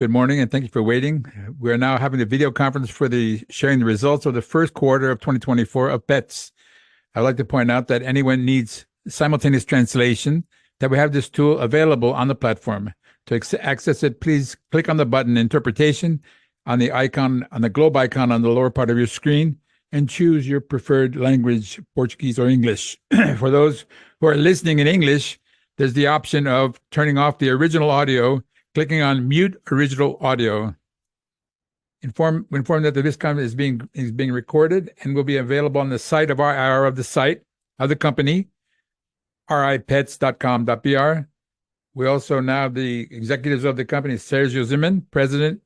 Good morning, and thank you for waiting. We are now having a video conference for the sharing the results of the first quarter of 2024 of Petz. I would like to point out that anyone needs simultaneous translation, that we have this tool available on the platform. To access it, please click on the button Interpretation on the globe icon on the lower part of your screen and choose your preferred language, Portuguese or English. For those who are listening in English, there's the option of turning off the original audio, clicking on Mute Original Audio. We inform that this conference is being recorded and will be available on the site of our IR of the site, of the company, ri.petz.com.br. We also now have the executives of the company, Sergio Zimerman, President,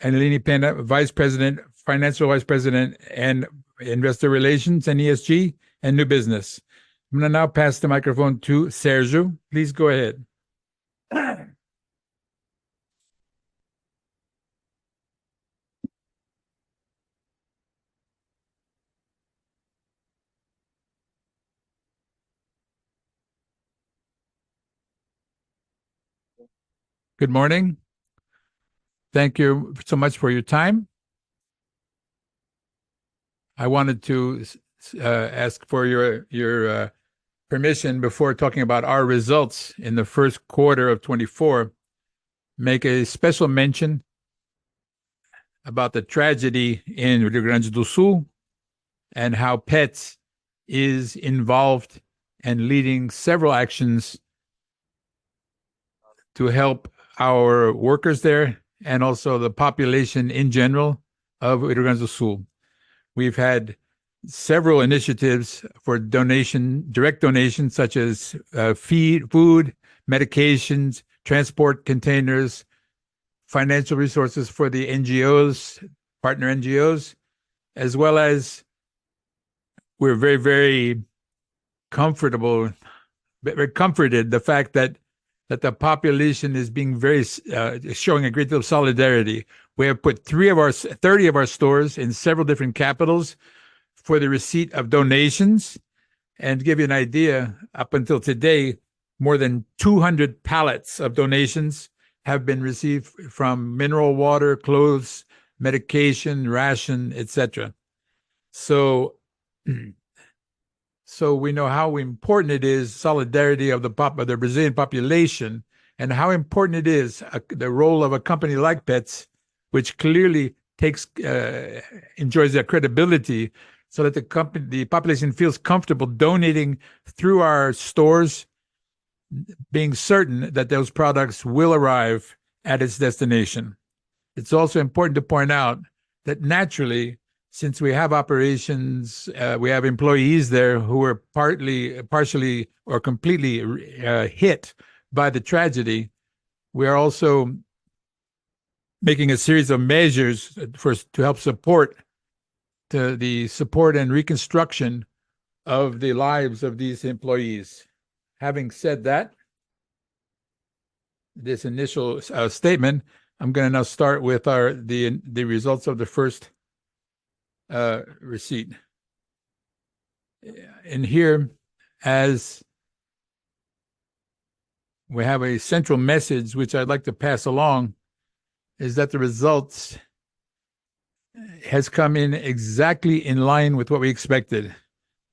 and Aline Penna, Vice President, Financial Vice President, and Investor Relations and ESG and New Business. I'm going to now pass the microphone to Sergio. Please go ahead. Good morning. Thank you so much for your time. I wanted to ask for your permission before talking about our results in the first quarter of 2024, make a special mention about the tragedy in Rio Grande do Sul and how Petz is involved and leading several actions to help our workers there and also the population in general of Rio Grande do Sul. We've had several initiatives for direct donations, such as food, medications, transport containers, financial resources for the NGOs, partner NGOs, as well as we're very, very comfortable the fact that the population is showing a great deal of solidarity. We have put 30 of our stores in several different capitals for the receipt of donations. To give you an idea, up until today, more than 200 pallets of donations have been received from mineral water, clothes, medication, ration, etc. So we know how important it is. Solidarity of the Brazilian population and how important it is the role of a company like Petz, which clearly enjoys their credibility, so that the population feels comfortable donating through our stores, being certain that those products will arrive at its destination. It's also important to point out that naturally, since we have operations, we have employees there who are partially or completely hit by the tragedy. We are also making a series of measures to help support the support and reconstruction of the lives of these employees. Having said that, this initial statement, I'm going to now start with the results of the first quarter. Here, as we have a central message, which I'd like to pass along, is that the results have come in exactly in line with what we expected.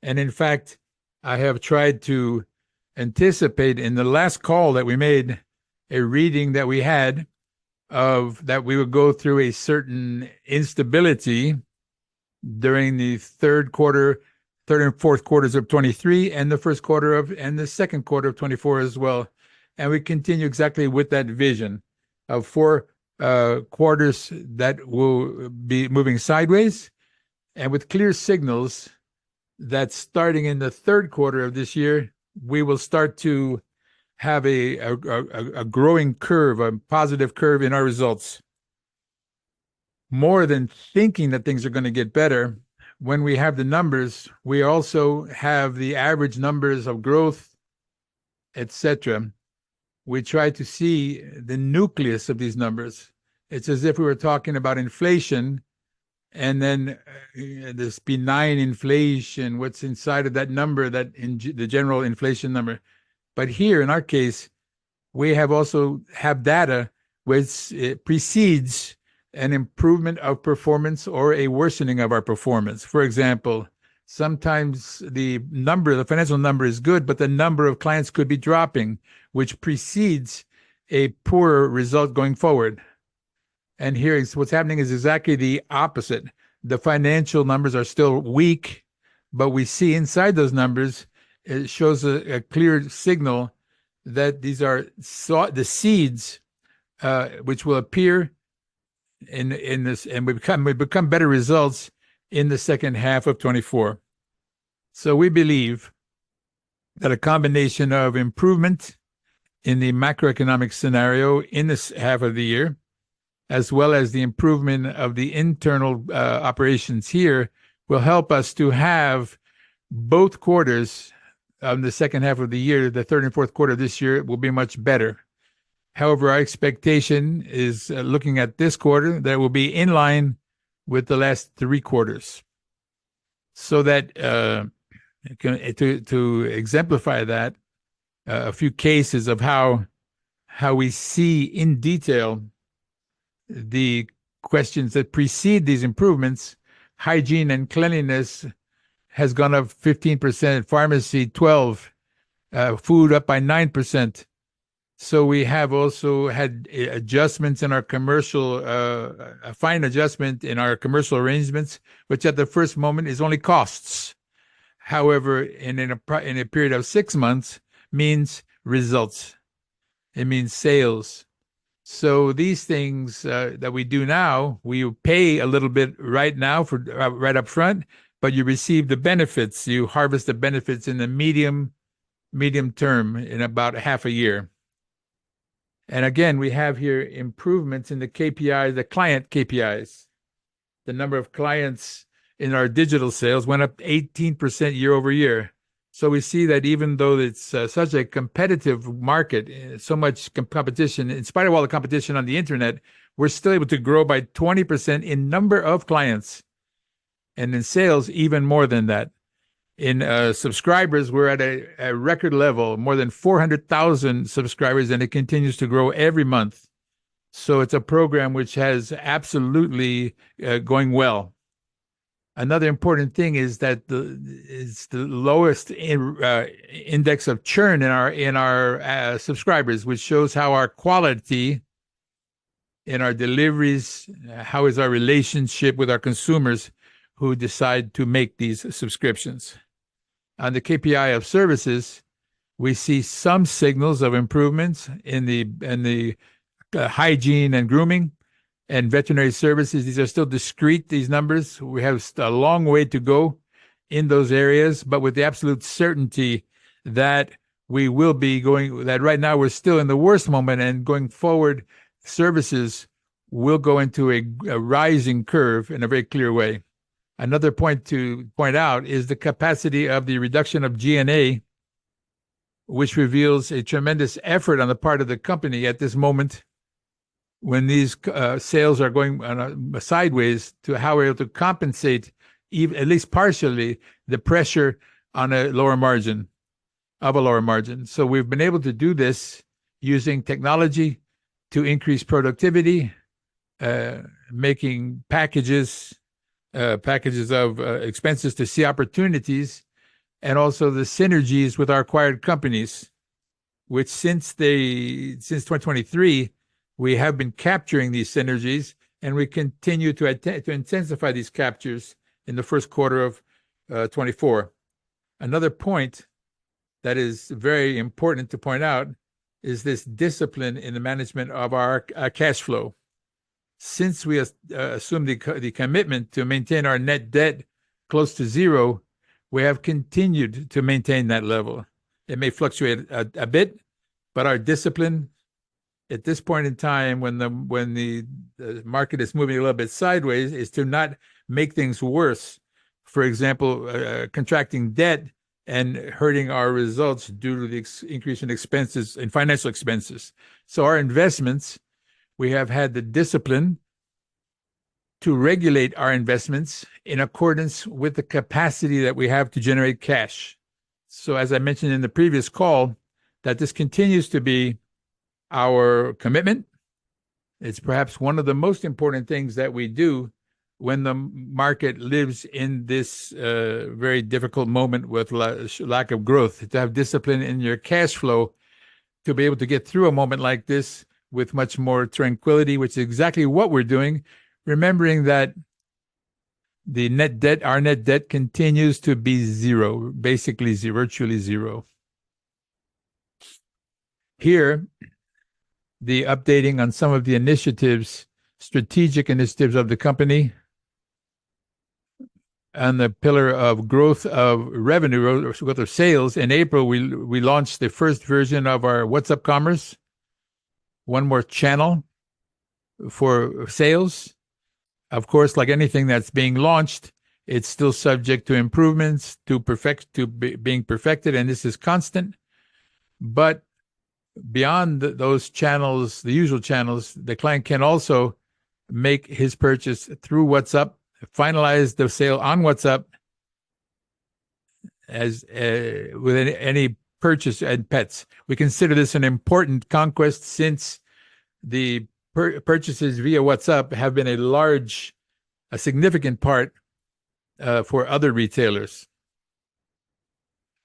In fact, I have tried to anticipate in the last call that we made a reading that we had of that we would go through a certain instability during the third and fourth quarters of 2023 and the second quarter of 2024 as well. We continue exactly with that vision of four quarters that will be moving sideways. With clear signals that starting in the third quarter of this year, we will start to have a growing curve, a positive curve in our results. More than thinking that things are going to get better, when we have the numbers, we also have the average numbers of growth, etc. We try to see the nucleus of these numbers. It's as if we were talking about inflation, and then this benign inflation, what's inside of that number, the general inflation number. But here in our case, we also have data which precedes an improvement of performance or a worsening of our performance. For example, sometimes the financial number is good, but the number of clients could be dropping, which precedes a poorer result going forward. And here what's happening is exactly the opposite. The financial numbers are still weak, but we see inside those numbers; it shows a clear signal that these are the seeds which will appear in this, and we've become better results in the second half of 2024. So we believe that a combination of improvement in the macroeconomic scenario in this half of the year, as well as the improvement of the internal operations here, will help us to have both quarters of the second half of the year, the third and fourth quarter of this year, will be much better. However, our expectation is, looking at this quarter, that it will be in line with the last three quarters. So to exemplify that, a few cases of how we see in detail the questions that precede these improvements: hygiene and cleanliness has gone up 15%, pharmacy 12%, food up by 9%. So we have also had adjustments in our commercial, a fine adjustment in our commercial arrangements, which at the first moment is only costs. However, in a period of six months, means results. It means sales. So these things that we do now, we pay a little bit right now right up front, but you receive the benefits, you harvest the benefits in the medium term in about half a year. And again, we have here improvements in the KPIs, the client KPIs. The number of clients in our digital sales went up 18% year-over-year. So we see that even though it's such a competitive market, so much competition, in spite of all the competition on the internet, we're still able to grow by 20% in number of clients. And in sales, even more than that. In subscribers, we're at a record level, more than 400,000 subscribers, and it continues to grow every month. So it's a program which has absolutely been going well. Another important thing is that it's the lowest index of churn in our subscribers, which shows how our quality in our deliveries, how is our relationship with our consumers who decide to make these subscriptions. On the KPI of services, we see some signals of improvements in the hygiene and grooming and veterinary services. These are still discreet, these numbers. We have a long way to go in those areas, but with the absolute certainty that we will be going that right now we're still in the worst moment and going forward, services will go into a rising curve in a very clear way. Another point to point out is the capacity of the reduction of G&A, which reveals a tremendous effort on the part of the company at this moment when these sales are going sideways to how we're able to compensate, at least partially, the pressure on a lower margin, of a lower margin. So we've been able to do this using technology to increase productivity, making packages of expenses to see opportunities, and also the synergies with our acquired companies, which since 2023, we have been capturing these synergies, and we continue to intensify these captures in the first quarter of 2024. Another point that is very important to point out is this discipline in the management of our cash flow. Since we assumed the commitment to maintain our net debt close to zero, we have continued to maintain that level. It may fluctuate a bit, but our discipline at this point in time when the market is moving a little bit sideways is to not make things worse, for example, contracting debt and hurting our results due to the increase in financial expenses. So our investments, we have had the discipline to regulate our investments in accordance with the capacity that we have to generate cash. So as I mentioned in the previous call, that this continues to be our commitment. It's perhaps one of the most important things that we do when the market lives in this very difficult moment with lack of growth, to have discipline in your cash flow to be able to get through a moment like this with much more tranquility, which is exactly what we're doing, remembering that our net debt continues to be zero, basically virtually zero. Here, the updating on some of the initiatives, strategic initiatives of the company. On the pillar of growth of revenue, what are sales in April, we launched the first version of our WhatsApp commerce, one more channel for sales. Of course, like anything that's being launched, it's still subject to improvements, to being perfected, and this is constant. But beyond those channels, the usual channels, the client can also make his purchase through WhatsApp, finalize the sale on WhatsApp with any purchase in Petz. We consider this an important conquest since the purchases via WhatsApp have been a significant part for other retailers.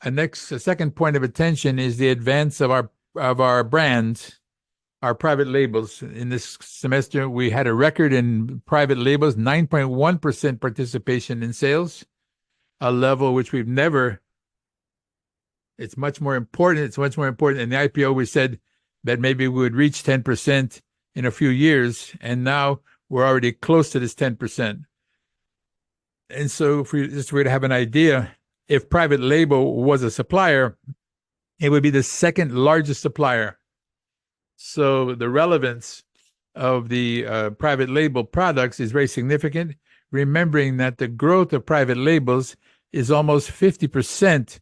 A second point of attention is the advance of our brands, our private labels. In this semester, we had a record in private labels, 9.1% participation in sales, a level which we've never it's much more important, it's much more important. In the IPO, we said that maybe we would reach 10% in a few years, and now we're already close to this 10%. And so just for you to have an idea, if private label was a supplier, it would be the second largest supplier. So the relevance of the private label products is very significant, remembering that the growth of private labels is almost 50%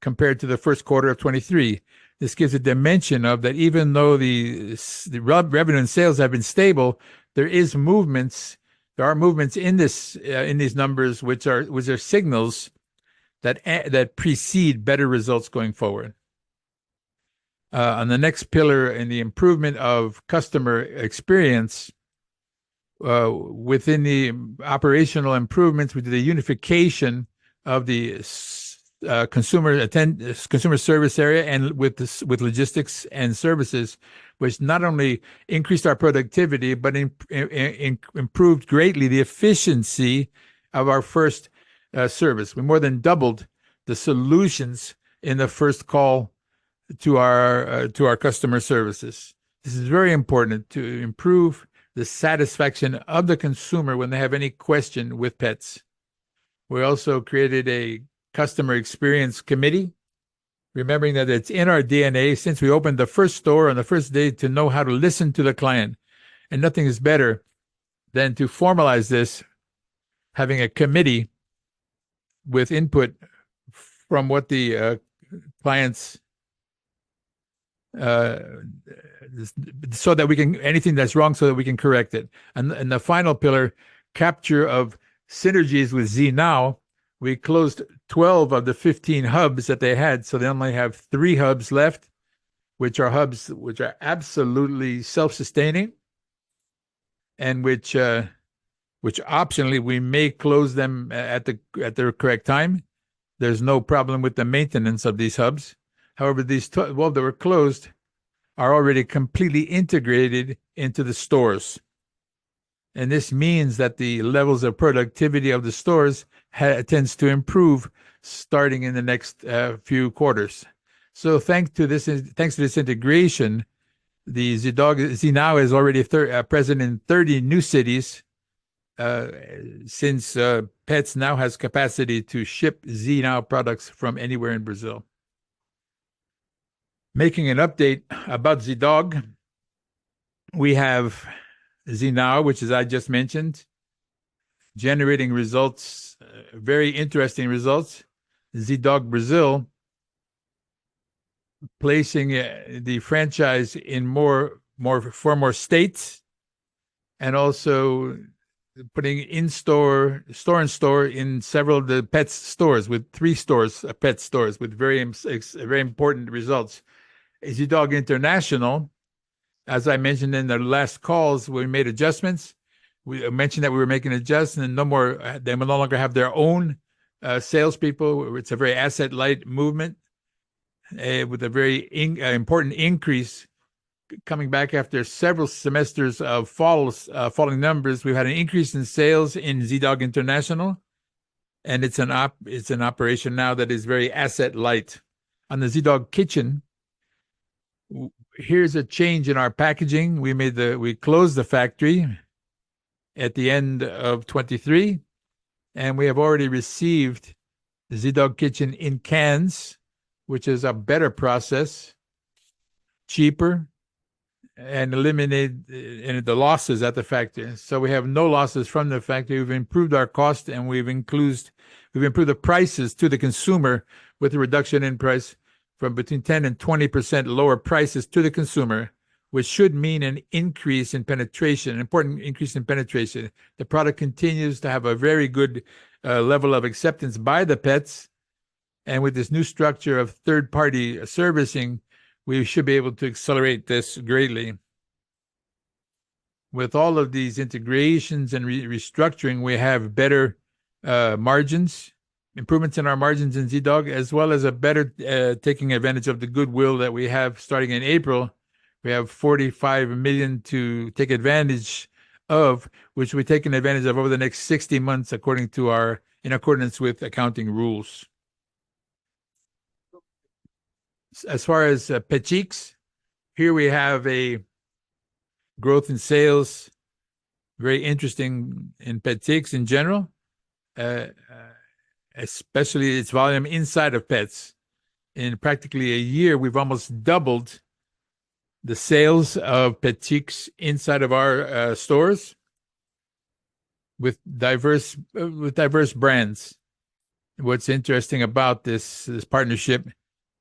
compared to the first quarter of 2023. This gives a dimension of that even though the revenue and sales have been stable, there are movements in these numbers, which are signals that precede better results going forward. On the next pillar in the improvement of customer experience, within the operational improvements, we did a unification of the consumer service area and with logistics and services, which not only increased our productivity, but improved greatly the efficiency of our first service. We more than doubled the solutions in the first call to our customer services. This is very important to improve the satisfaction of the consumer when they have any question with Petz. We also created a Customer Experience Committee, remembering that it's in our DNA since we opened the first store on the first day to know how to listen to the client. And nothing is better than to formalize this, having a committee with input from what the clients so that we can anything that's wrong, so that we can correct it. And the final pillar, capture of synergies with Zee.Now, we closed 12 of the 15 hubs that they had, so they only have three hubs left, which are hubs which are absolutely self-sustaining, and which optionally we may close them at their correct time. There's no problem with the maintenance of these hubs. However, these, well, they were closed, are already completely integrated into the stores. This means that the levels of productivity of the stores tends to improve starting in the next few quarters. Thanks to this integration, the Zee.Now is already present in 30 new cities since Petz now has capacity to ship Zee.Now products from anywhere in Brazil. Making an update about Zee.Dog, we have Zee.Now, which as I just mentioned, generating results, very interesting results. Zee.Dog Brazil, placing the franchise in four more states, and also putting in-store in-store in several of the Petz stores with three stores, Petz stores, with very important results. Zee.Dog International, as I mentioned in the last calls, we made adjustments. We mentioned that we were making adjustments and no more they will no longer have their own salespeople. It's a very asset-light movement with a very important increase coming back after several semesters of falling numbers. We've had an increase in sales in Zee.Dog International. It's an operation now that is very asset-light. On the Zee.Dog Kitchen, here's a change in our packaging. We closed the factory at the end of 2023. We have already received the Zee.Dog Kitchen in cans, which is a better process, cheaper, and eliminated the losses at the factory. We have no losses from the factory. We've improved our cost and we've improved the prices to the consumer with a reduction in price from between 10%-20% lower prices to the consumer, which should mean an increase in penetration, an important increase in penetration. The product continues to have a very good level of acceptance by the pets. With this new structure of third-party servicing, we should be able to accelerate this greatly. With all of these integrations and restructuring, we have better margins, improvements in our margins in Zee.Dog, as well as a better taking advantage of the goodwill that we have starting in April. We have 45 million to take advantage of, which we're taking advantage of over the next 60 months in accordance with accounting rules. As far as Petix, here we have a growth in sales, very interesting in Petix in general, especially its volume inside of Petz. In practically a year, we've almost doubled the sales of Petix inside of our stores with diverse brands. What's interesting about this partnership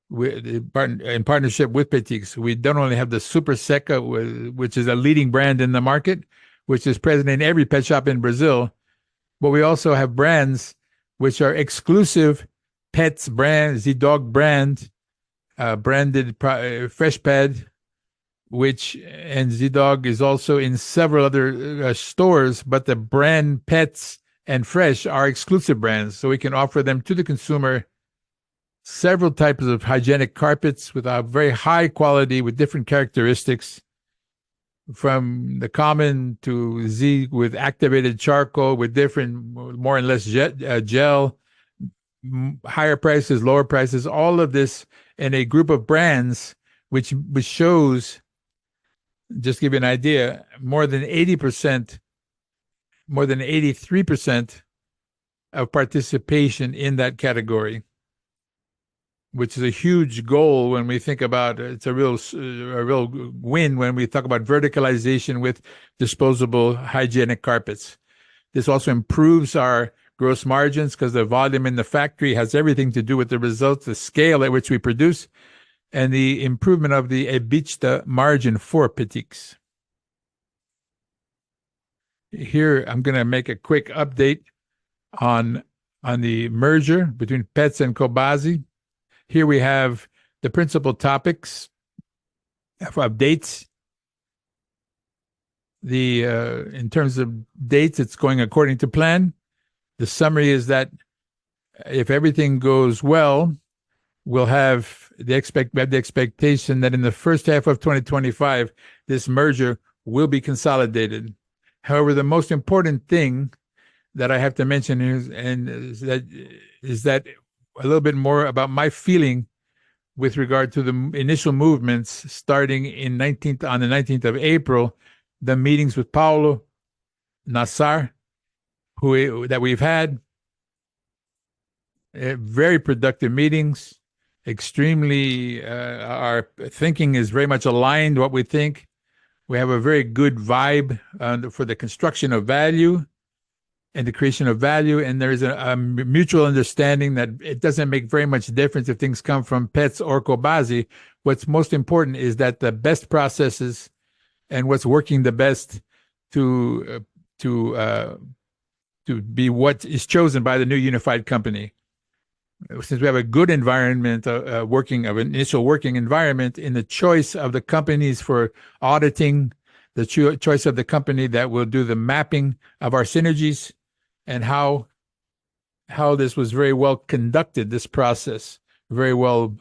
with Petix, we don't only have the Super Secão, which is a leading brand in the market, which is present in every pet shop in Brazil, but we also have brands which are exclusive Petz brands, Zee.Dog brands, branded Fresh, Petz, and Zee.Dog is also in several other stores, but the brand Petz and Fresh are exclusive brands. So we can offer them to the consumer several types of hygienic carpets with very high quality with different characteristics, from the common to Zee with activated charcoal, with different more and less gel, higher prices, lower prices, all of this in a group of brands, which shows, just to give you an idea, more than 80%, more than 83% of participation in that category, which is a huge goal when we think about it's a real win when we talk about verticalization with disposable hygienic carpets. This also improves our gross margins because the volume in the factory has everything to do with the results, the scale at which we produce, and the improvement of the EBITDA margin for Petix. Here, I'm going to make a quick update on the merger between Petz and Cobasi. Here we have the principal topics for updates. In terms of dates, it's going according to plan. The summary is that if everything goes well, we'll have the expectation that in the first half of 2025, this merger will be consolidated. However, the most important thing that I have to mention is that a little bit more about my feeling with regard to the initial movements starting on the 19th of April, the meetings with Paulo Nassar that we've had, very productive meetings, our thinking is very much aligned, what we think. We have a very good vibe for the construction of value and the creation of value. And there is a mutual understanding that it doesn't make very much difference if things come from Petz or Cobasi. What's most important is that the best processes and what's working the best to be what is chosen by the new unified company. Since we have a good environment, an initial working environment in the choice of the companies for auditing, the choice of the company that will do the mapping of our synergies, and how this was very well conducted, this process, very well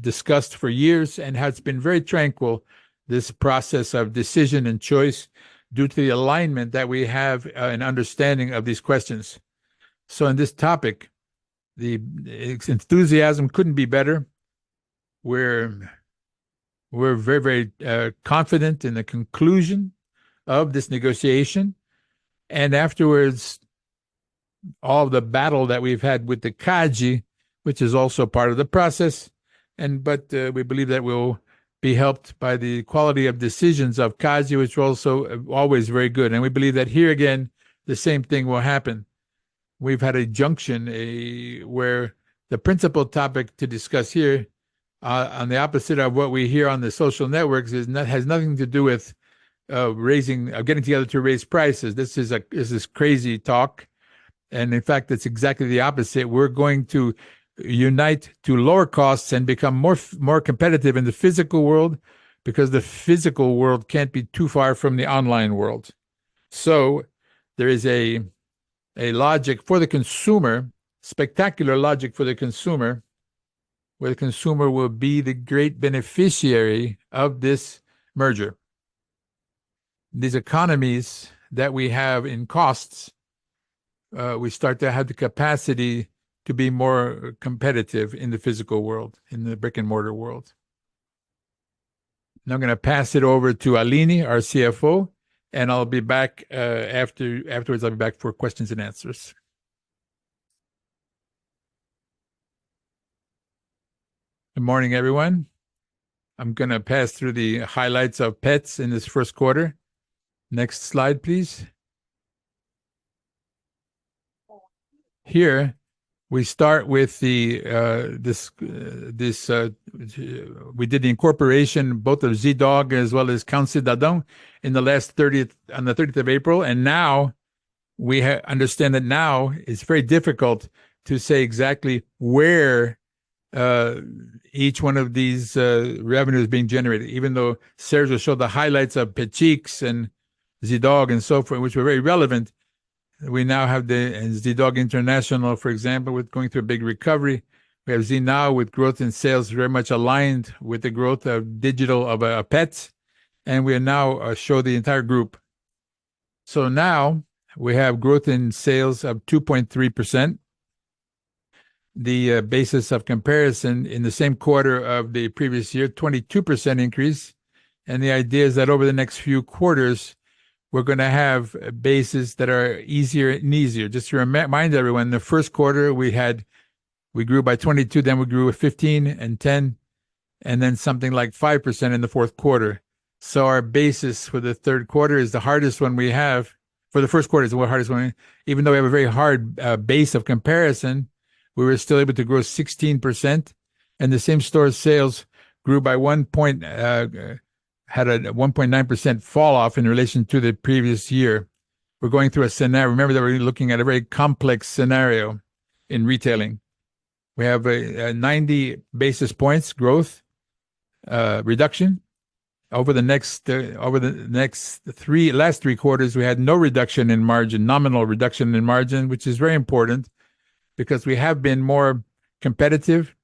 discussed for years, and how it's been very tranquil, this process of decision and choice due to the alignment that we have and understanding of these questions. So in this topic, the enthusiasm couldn't be better. We're very, very confident in the conclusion of this negotiation. Afterwards, all of the battle that we've had with the CADE, which is also part of the process, but we believe that we'll be helped by the quality of decisions of CADE, which were also always very good. And we believe that here again, the same thing will happen. We've had a juncture where the principal topic to discuss here, on the opposite of what we hear on the social networks, has nothing to do with getting together to raise prices. This is crazy talk. And in fact, it's exactly the opposite. We're going to unite to lower costs and become more competitive in the physical world because the physical world can't be too far from the online world. So there is a logic for the consumer, spectacular logic for the consumer, where the consumer will be the great beneficiary of this merger. These economies that we have in costs, we start to have the capacity to be more competitive in the physical world, in the brick-and-mortar world. Now I'm going to pass it over to Aline, our CFO, and I'll be back afterwards, I'll be back for questions and answers. Good morning, everyone. I'm going to pass through the highlights of Petz in this first quarter. Next slide, please. Here, we start with we did the incorporation, both of Zee.Dog as well as Consulado da Ração on the 30th of April. And now we understand that now it's very difficult to say exactly where each one of these revenues is being generated. Even though Sergio showed the highlights of Petix and Zee.Dog and so forth, which were very relevant, we now have the Zee.Dog International, for example, with going through a big recovery. We have Zee.Now with growth in sales very much aligned with the growth of digital of Petz. And we now show the entire group. So now we have growth in sales of 2.3%. The basis of comparison in the same quarter of the previous year, 22% increase. And the idea is that over the next few quarters, we're going to have bases that are easier and easier. Just to remind everyone, in the first quarter, we grew by 22%, then we grew with 15% and 10%, and then something like 5% in the fourth quarter. So our basis for the third quarter is the hardest one we have. For the first quarter, it's the hardest one. Even though we have a very hard base of comparison, we were still able to grow 16%. And the same store sales grew by 1.9% falloff in relation to the previous year. We're going through a scenario. Remember that we're looking at a very complex scenario in retailing. We have 90 basis points growth reduction. Over the next last three quarters, we had no reduction in margin, nominal reduction in margin, which is very important because we have been more competitive.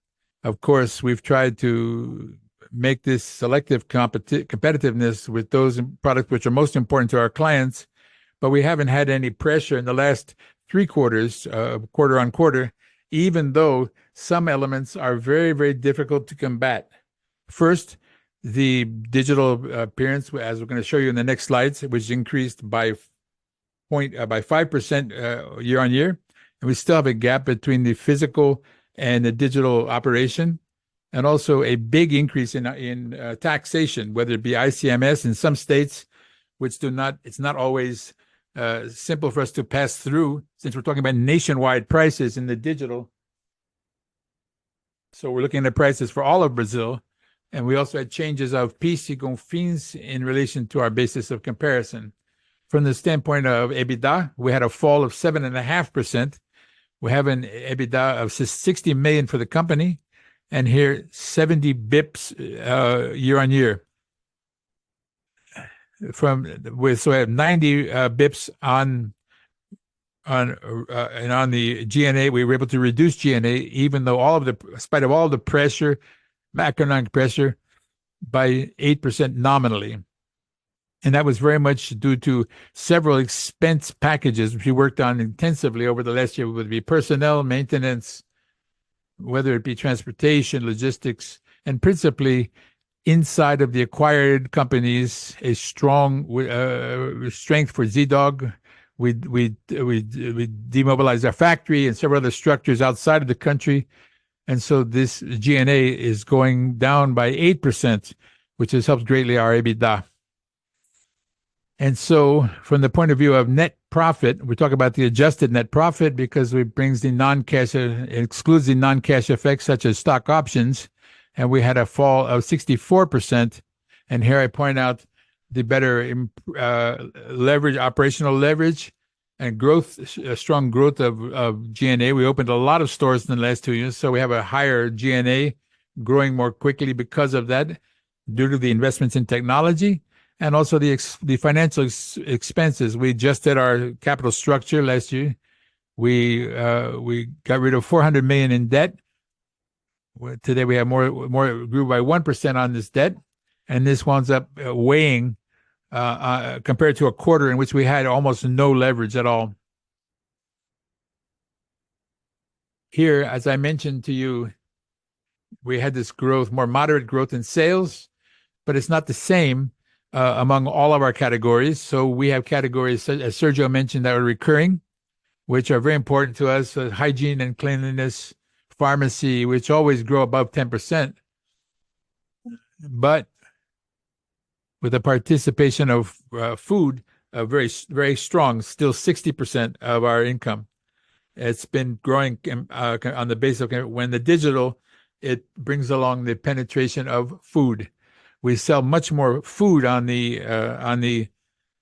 Of course, we've tried to make this selective competitiveness with those products which are most important to our clients. But we haven't had any pressure in the last three quarters, quarter-over-quarter, even though some elements are very, very difficult to combat. First, the digital appearance, as we're going to show you in the next slides, which increased by 5% year-over-year. We still have a gap between the physical and the digital operation. Also a big increase in taxation, whether it be ICMS in some states, which it's not always simple for us to pass through since we're talking about nationwide prices in the digital. So we're looking at prices for all of Brazil. And we also had changes of PIS/COFINS in relation to our basis of comparison. From the standpoint of EBITDA, we had a fall of 7.5%. We have an EBITDA of 60 million for the company. And here, 70 basis points year-on-year. So we have 90 basis points on the G&A. We were able to reduce G&A even though all of the in spite of all the pressure, macroeconomic pressure, by 8% nominally. And that was very much due to several expense packages we worked on intensively over the last year, whether it be personnel, maintenance, whether it be transportation, logistics, and principally inside of the acquired companies, a strong strength for Zee.Dog. We demobilized our factory and several other structures outside of the country. And so this G&A is going down by 8%, which has helped greatly our EBITDA. And so from the point of view of net profit, we're talking about the adjusted net profit because it excludes the non-cash effects such as stock options. And we had a fall of 64%. And here I point out the better operational leverage and strong growth of G&A. We opened a lot of stores in the last two years. So we have a higher G&A growing more quickly because of that, due to the investments in technology. And also the financial expenses. We adjusted our capital structure last year. We got rid of 400 million in debt. Today we grew by 1% on this debt. This one's up weighing compared to a quarter in which we had almost no leverage at all. Here, as I mentioned to you, we had this growth, more moderate growth in sales, but it's not the same among all of our categories. We have categories, as Sergio mentioned, that are recurring, which are very important to us, hygiene and cleanliness, pharmacy, which always grow above 10%. With the participation of food, very strong, still 60% of our income. It's been growing on the basis of when the digital, it brings along the penetration of food. We sell much more food on the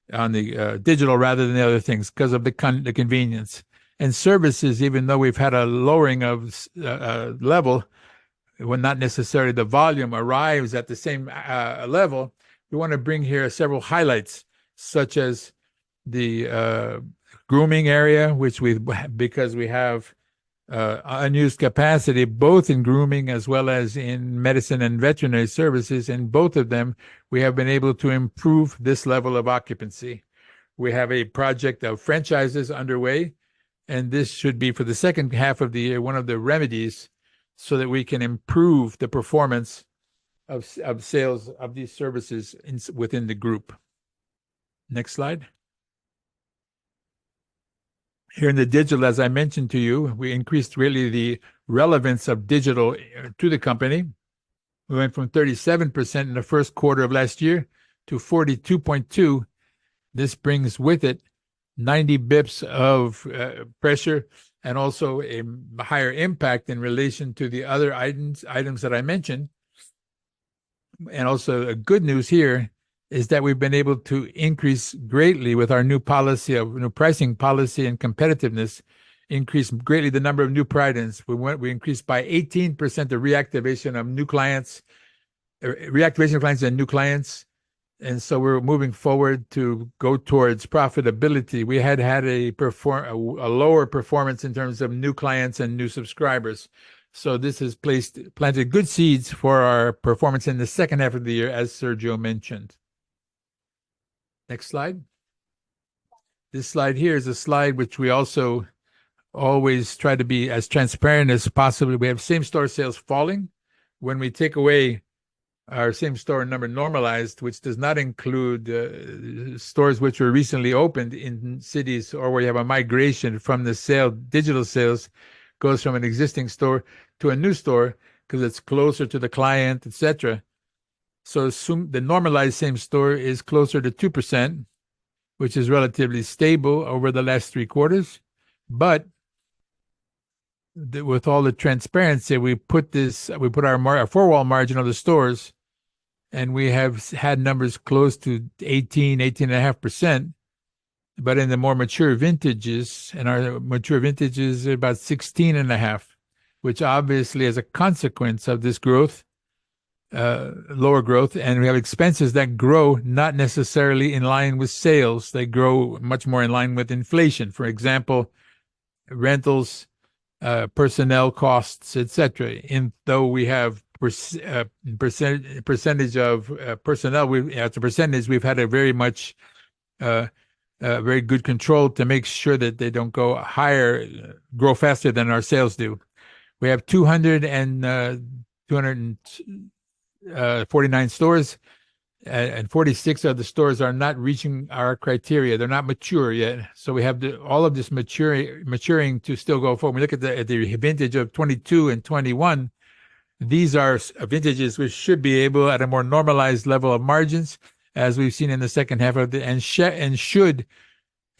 digital rather than the other things because of the convenience. Services, even though we've had a lowering of level, when not necessarily the volume arrives at the same level, we want to bring here several highlights, such as the grooming area, which because we have unused capacity, both in grooming as well as in medicine and veterinary services, in both of them, we have been able to improve this level of occupancy. We have a project of franchises underway. This should be for the second half of the year, one of the remedies so that we can improve the performance of sales of these services within the group. Next slide. Here in the digital, as I mentioned to you, we increased really the relevance of digital to the company. We went from 37% in the first quarter of last year to 42.2%. This brings with it 90 basis points of pressure and also a higher impact in relation to the other items that I mentioned. Also good news here is that we've been able to increase greatly with our new policy, new pricing policy and competitiveness, increase greatly the number of new clients. We increased by 18% the reactivation of new clients, reactivation of clients and new clients. So we're moving forward to go towards profitability. We had had a lower performance in terms of new clients and new subscribers. This has planted good seeds for our performance in the second half of the year, as Sergio mentioned. Next slide. This slide here is a slide which we also always try to be as transparent as possible. We have same store sales falling. When we take away our same store number normalized, which does not include stores which were recently opened in cities or where you have a migration from the digital sales, goes from an existing store to a new store because it's closer to the client, etc. So the normalized same store is closer to 2%, which is relatively stable over the last three quarters. But with all the transparency, we put our four-wall margin on the stores. And we have had numbers close to 18%-18.5%. But in the more mature vintages, and our mature vintages are about 16.5%, which obviously is a consequence of this growth, lower growth, and we have expenses that grow not necessarily in line with sales. They grow much more in line with inflation, for example, rentals, personnel costs, etc. Though we have a percentage of personnel, as a percentage, we've had a very much very good control to make sure that they don't go higher, grow faster than our sales do. We have 249 stores. 46 of the stores are not reaching our criteria. They're not mature yet. We have all of this maturing to still go forward. When we look at the vintage of 2022 and 2021, these are vintages which should be able at a more normalized level of margins, as we've seen in the second half of the and should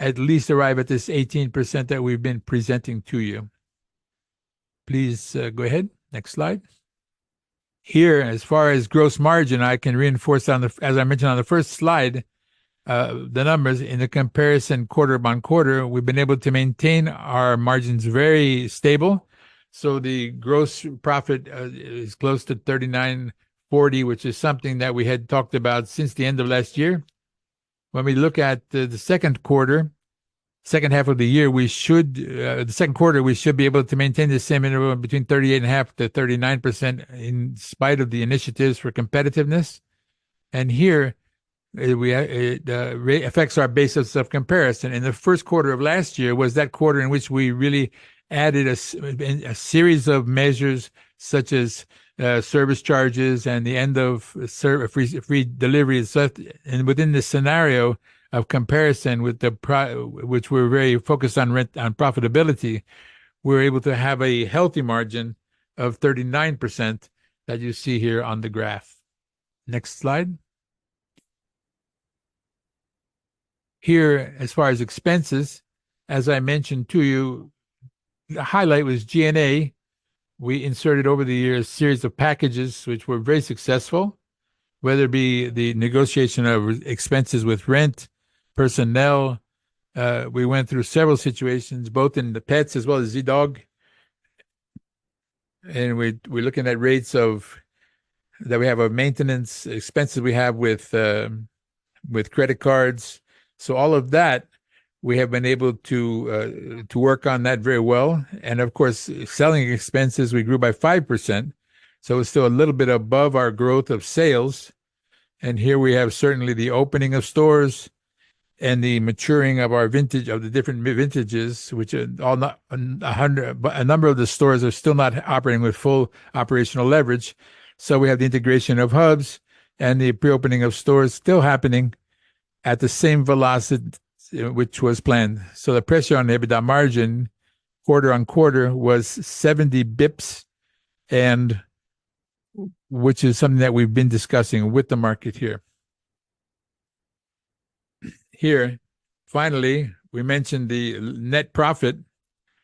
at least arrive at this 18% that we've been presenting to you. Please go ahead. Next slide. Here, as far as gross margin, I can reinforce on the, as I mentioned on the first slide, the numbers in the comparison quarter-on-quarter, we've been able to maintain our margins very stable. So the gross profit is close to 39.40%, which is something that we had talked about since the end of last year. When we look at the second quarter, second half of the year, the second quarter, we should be able to maintain the same interval between 38.5%-39% in spite of the initiatives for competitiveness. And here, it affects our basis of comparison. In the first quarter of last year was that quarter in which we really added a series of measures such as service charges and the end of free deliveries. And within this scenario of comparison with the which we're very focused on profitability, we're able to have a healthy margin of 39% that you see here on the graph. Next slide. Here, as far as expenses, as I mentioned to you, the highlight was G&A. We inserted over the years a series of packages which were very successful, whether it be the negotiation of expenses with rent, personnel. We went through several situations, both in Petz as well as Zee.Dog. And we're looking at rates of that we have of maintenance expenses we have with credit cards. So all of that, we have been able to work on that very well. And of course, selling expenses, we grew by 5%. So it was still a little bit above our growth of sales. And here we have certainly the opening of stores and the maturing of our vintage of the different vintages, which a number of the stores are still not operating with full operational leverage. So we have the integration of hubs and the pre-opening of stores still happening at the same velocity which was planned. So the pressure on the EBITDA margin quarter-on-quarter was 70 basis points, which is something that we've been discussing with the market here. Here, finally, we mentioned the net profit.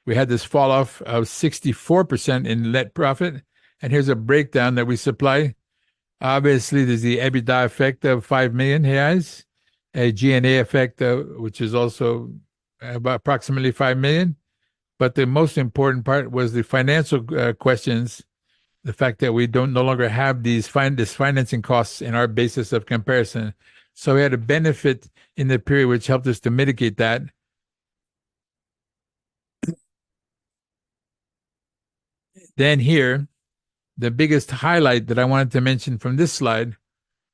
We had this falloff of 64% in net profit. And here's a breakdown that we supply. Obviously, there's the EBITDA effect of 5 million reais, a G&A effect, which is also about approximately 5 million. But the most important part was the financial questions, the fact that we no longer have these financing costs in our basis of comparison. So we had a benefit in the period which helped us to mitigate that. Then here, the biggest highlight that I wanted to mention from this slide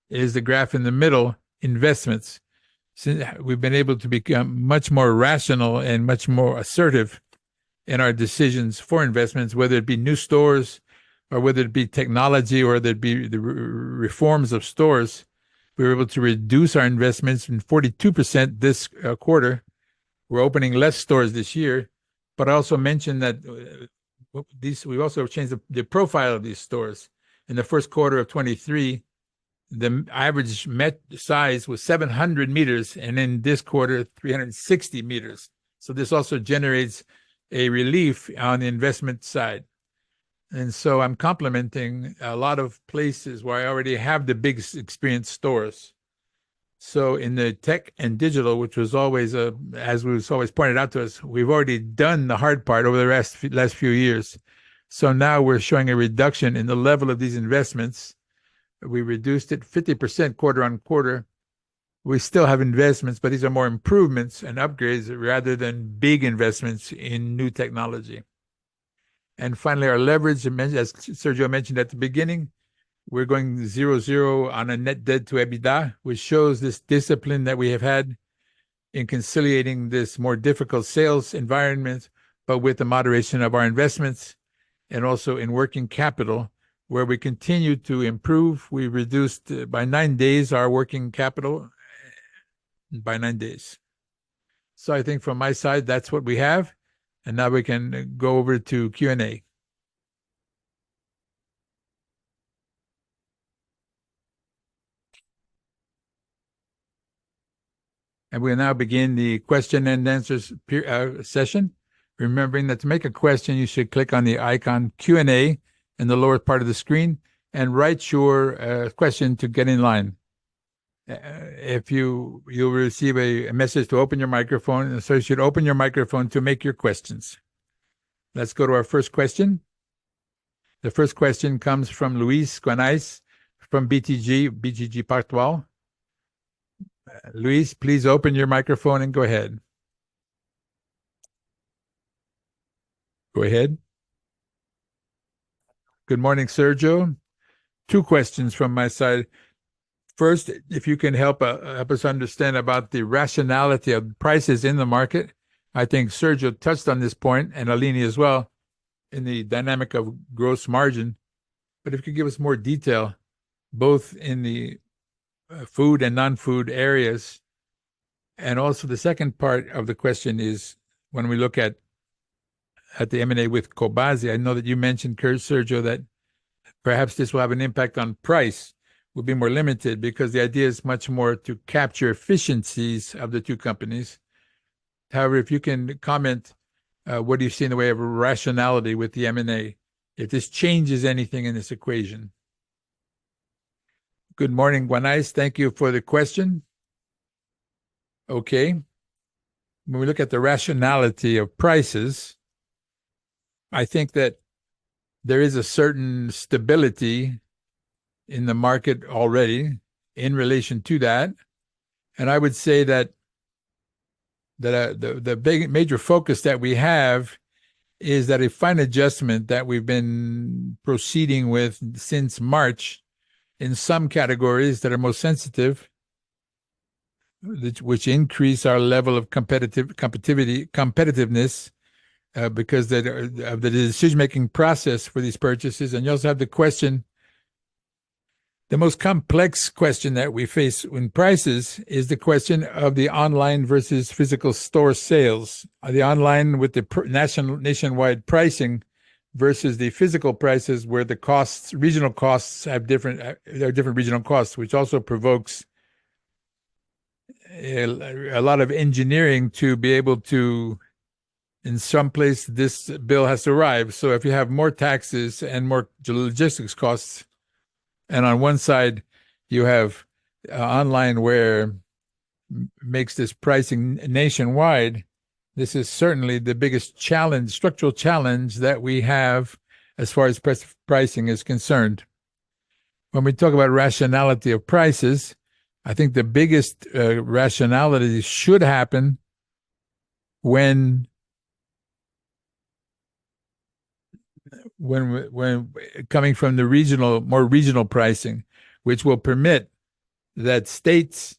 is the graph in the middle, investments. Since we've been able to become much more rational and much more assertive in our decisions for investments, whether it be new stores or whether it be technology or there'd be the reforms of stores, we were able to reduce our investments in 42% this quarter. We're opening less stores this year. But I also mentioned that we also changed the profile of these stores. In the first quarter of 2023, the average sqm size was 700 sq m and in this quarter, 360 sq m. So this also generates a relief on the investment side. And so I'm complementing a lot of places where I already have the big experienced stores. So in the tech and digital, which was always, as was always pointed out to us, we've already done the hard part over the last few years. So now we're showing a reduction in the level of these investments. We reduced it 50% quarter-on-quarter. We still have investments, but these are more improvements and upgrades rather than big investments in new technology. And finally, our leverage, as Sergio mentioned at the beginning, we're going 0.0 on a net debt to EBITDA, which shows this discipline that we have had in conciliating this more difficult sales environment, but with the moderation of our investments. And also in working capital, where we continue to improve, we reduced by nine days our working capital. By nine days. So I think from my side, that's what we have. And now we can go over to Q&A. And we now begin the question and answers session. Remembering that to make a question, you should click on the icon Q&A in the lower part of the screen and write your question to get in line. You'll receive a message to open your microphone. So you should open your microphone to make your questions. Let's go to our first question. The first question comes from Luiz Guanais from BTG Pactual. Luiz, please open your microphone and go ahead. Go ahead. Good morning, Sergio. Two questions from my side. First, if you can help us understand about the rationality of prices in the market. I think Sergio touched on this point and Aline as well in the dynamic of gross margin. But if you could give us more detail, both in the food and non-food areas. And also the second part of the question is when we look at the M&A with Cobasi, I know that you mentioned, Sergio, that perhaps this will have an impact on price, will be more limited because the idea is much more to capture efficiencies of the two companies. However, if you can comment, what do you see in the way of rationality with the M&A? If this changes anything in this equation. Good morning, Guanais. Thank you for the question. Okay. When we look at the rationality of prices, I think that there is a certain stability in the market already in relation to that. And I would say that the major focus that we have is that a fine adjustment that we've been proceeding with since March in some categories that are most sensitive, which increase our level of competitiveness because of the decision-making process for these purchases. And you also have the question. The most complex question that we face in prices is the question of the online versus physical store sales, the online with the nationwide pricing versus the physical prices where the regional costs have different; there are different regional costs, which also provokes a lot of engineering to be able to in some place this bill has to arrive. So if you have more taxes and more logistics costs, and on one side, you have online where makes this pricing nationwide, this is certainly the biggest challenge, structural challenge that we have as far as pricing is concerned. When we talk about rationality of prices, I think the biggest rationality should happen when coming from the more regional pricing, which will permit that states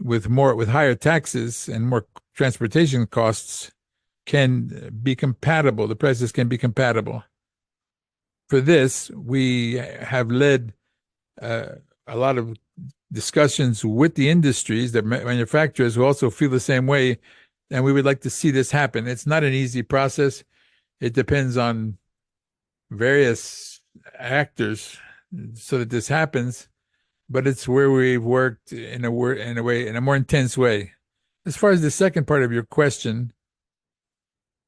with higher taxes and more transportation costs can be compatible; the prices can be compatible. For this, we have led a lot of discussions with the industries, the manufacturers who also feel the same way. And we would like to see this happen. It's not an easy process. It depends on various actors so that this happens. But it's where we've worked in a way, in a more intense way. As far as the second part of your question,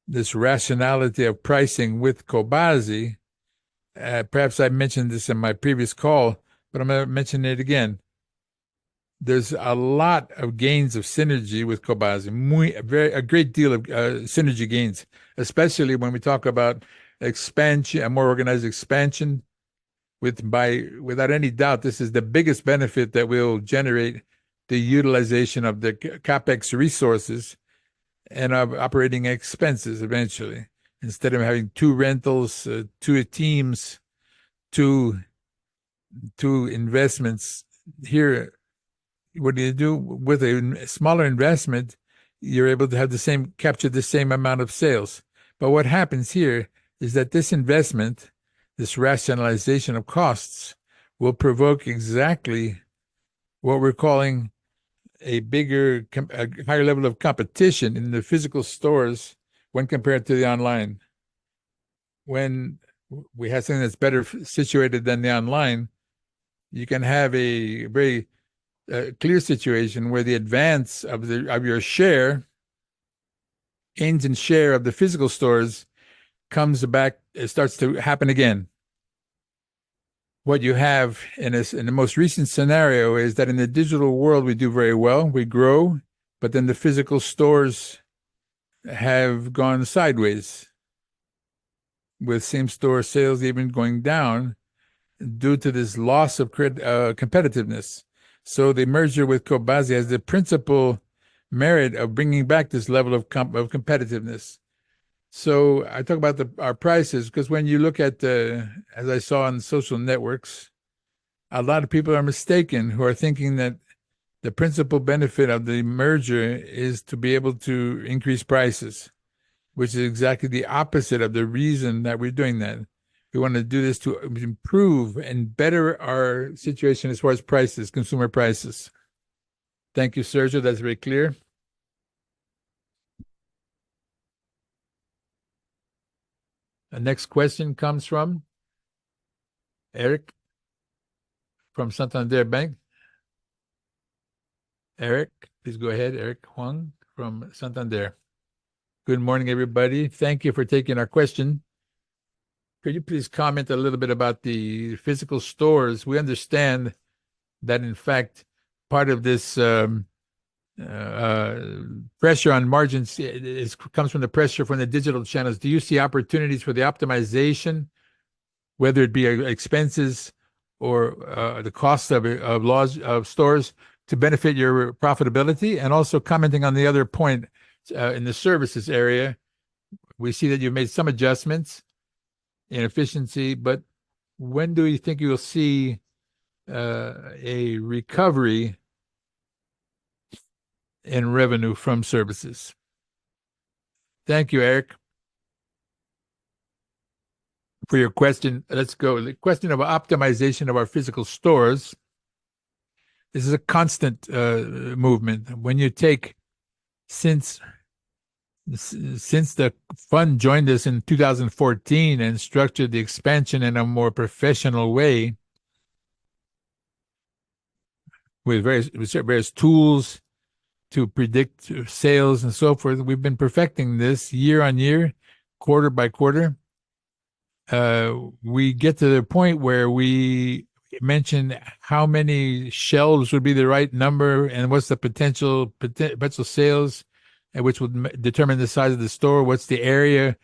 this rationality of pricing with Cobasi, perhaps I mentioned this in my previous call, but I'm going to mention it again. There's a lot of gains of synergy with Cobasi, a great deal of synergy gains, especially when we talk about a more organized expansion. Without any doubt, this is the biggest benefit that will generate the utilization of the CapEx resources and operating expenses eventually, instead of having two rentals, two teams, two investments. Here, what do you do with a smaller investment, you're able to capture the same amount of sales. But what happens here is that this investment, this rationalization of costs, will provoke exactly what we're calling a higher level of competition in the physical stores when compared to the online. When we have something that's better situated than the online, you can have a very clear situation where the advance of your share ends and share of the physical stores comes back, starts to happen again. What you have in the most recent scenario is that in the digital world, we do very well, we grow, but then the physical stores have gone sideways. With same store sales even going down due to this loss of competitiveness. So the merger with Cobasi has the principal merit of bringing back this level of competitiveness. So I talk about our prices because when you look at, as I saw on social networks, a lot of people are mistaken who are thinking that the principal benefit of the merger is to be able to increase prices, which is exactly the opposite of the reason that we're doing that. We want to do this to improve and better our situation as far as prices, consumer prices. Thank you, Sergio. That's very clear. The next question comes from Eric from Santander Bank. Eric, please go ahead. Eric Huang from Santander. Good morning, everybody. Thank you for taking our question. Could you please comment a little bit about the physical stores? We understand that, in fact, part of this pressure on margins comes from the pressure from the digital channels. Do you see opportunities for the optimization, whether it be expenses or the cost of stores to benefit your profitability? And also commenting on the other point in the services area, we see that you've made some adjustments in efficiency, but when do you think you'll see a recovery in revenue from services? Thank you, Eric. For your question, let's go to the question of optimization of our physical stores. This is a constant movement. When you take since the fund joined us in 2014 and structured the expansion in a more professional way with various tools to predict sales and so forth, we've been perfecting this year-on-year, quarter-by-quarter. We get to the point where we mention how many shelves would be the right number and what's the potential sales which would determine the size of the store, what's the area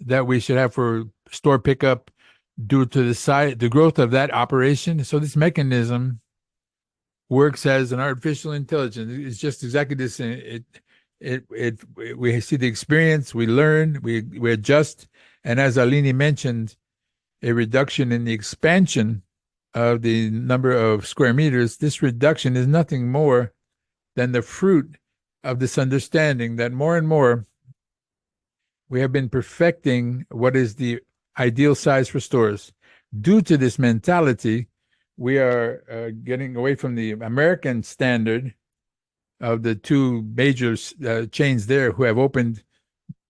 that we should have for store pickup due to the growth of that operation. So this mechanism works as an artificial intelligence. It's just exactly this. We see the experience, we learn, we adjust. And as Aline mentioned, a reduction in the expansion of the number of square meters, this reduction is nothing more than the fruit of this understanding that more and more we have been perfecting what is the ideal size for stores. Due to this mentality, we are getting away from the American standard of the two major chains there who have opened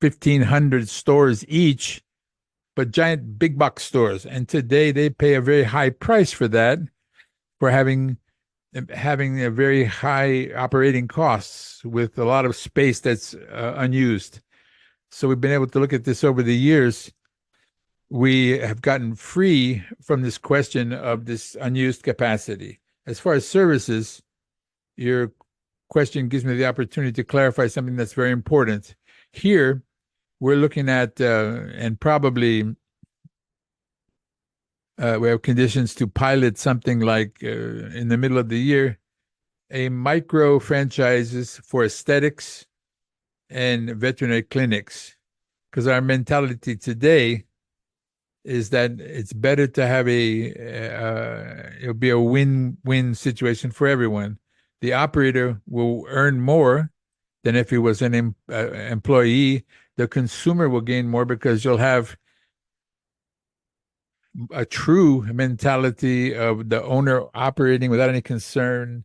1,500 stores each, but giant big box stores. Today they pay a very high price for that, for having very high operating costs with a lot of space that's unused. We've been able to look at this over the years. We have gotten free from this question of this unused capacity. As far as services, your question gives me the opportunity to clarify something that's very important. Here, we're looking at and probably we have conditions to pilot something like in the middle of the year, a micro franchises for aesthetics and veterinary clinics. Because our mentality today is that it's better to have a, it'll be a win-win situation for everyone. The operator will earn more than if he was an employee. The consumer will gain more because you'll have a true mentality of the owner operating without any concern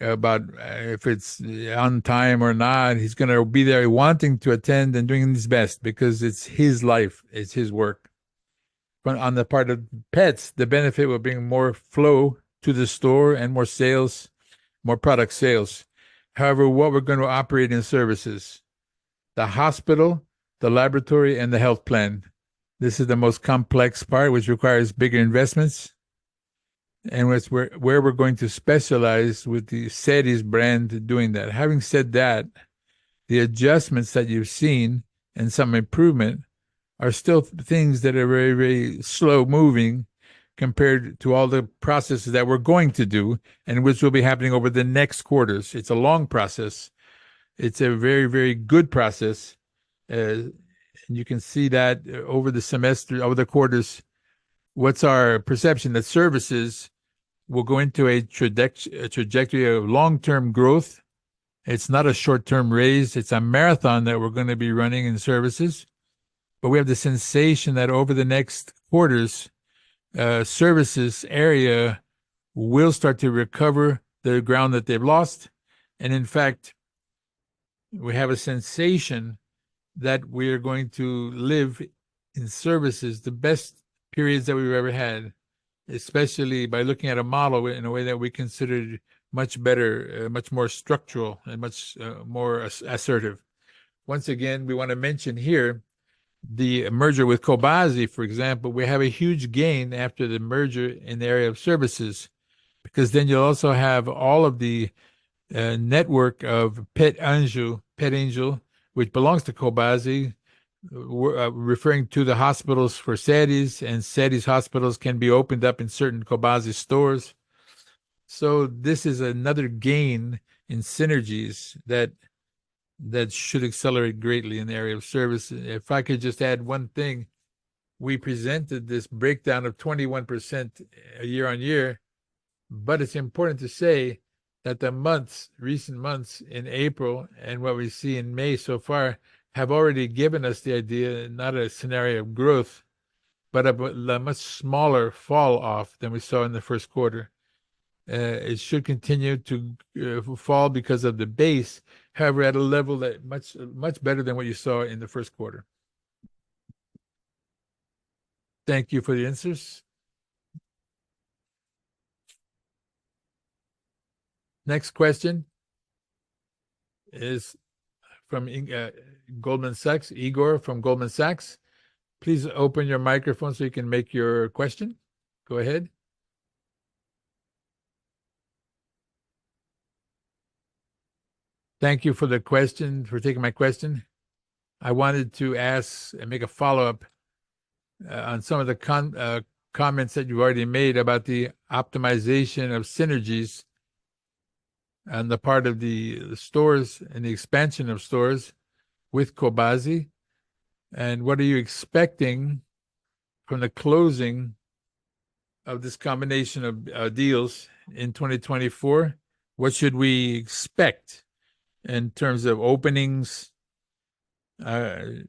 about if it's on time or not, he's going to be there wanting to attend and doing his best because it's his life, it's his work. On the part of pets, the benefit will be more flow to the store and more sales, more product sales. However, what we're going to operate in services, the hospital, the laboratory, and the health plan, this is the most complex part which requires bigger investments. Where we're going to specialize with the Seres brand doing that. Having said that, the adjustments that you've seen and some improvement are still things that are very, very slow moving compared to all the processes that we're going to do and which will be happening over the next quarters. It's a long process. It's a very, very good process. You can see that over the semester, over the quarters, what's our perception that services will go into a trajectory of long-term growth. It's not a short-term raise. It's a marathon that we're going to be running in services. But we have the sensation that over the next quarters, services area will start to recover the ground that they've lost. And in fact, we have a sensation that we're going to live in services the best periods that we've ever had, especially by looking at a model in a way that we considered much better, much more structural, and much more assertive. Once again, we want to mention here, the merger with Cobasi, for example, we have a huge gain after the merger in the area of services. Because then you'll also have all of the network of Pet Anjo, which belongs to Cobasi, referring to the hospitals for Seres and Seres hospitals can be opened up in certain Cobasi stores. So this is another gain in synergies that should accelerate greatly in the area of service. If I could just add one thing, we presented this breakdown of 21% year-over-year. But it's important to say that the recent months in April and what we see in May so far have already given us the idea, not a scenario of growth, but a much smaller fall off than we saw in the first quarter. It should continue to fall because of the base, however, at a level that's much better than what you saw in the first quarter. Thank you for the answers. Next question is from Goldman Sachs, Irma from Goldman Sachs. Please open your microphone so you can make your question. Go ahead. Thank you for the question, for taking my question. I wanted to ask and make a follow-up on some of the comments that you've already made about the optimization of synergies on the part of the stores and the expansion of stores with Cobasi. What are you expecting from the closing of this combination of deals in 2024? What should we expect in terms of openings? We're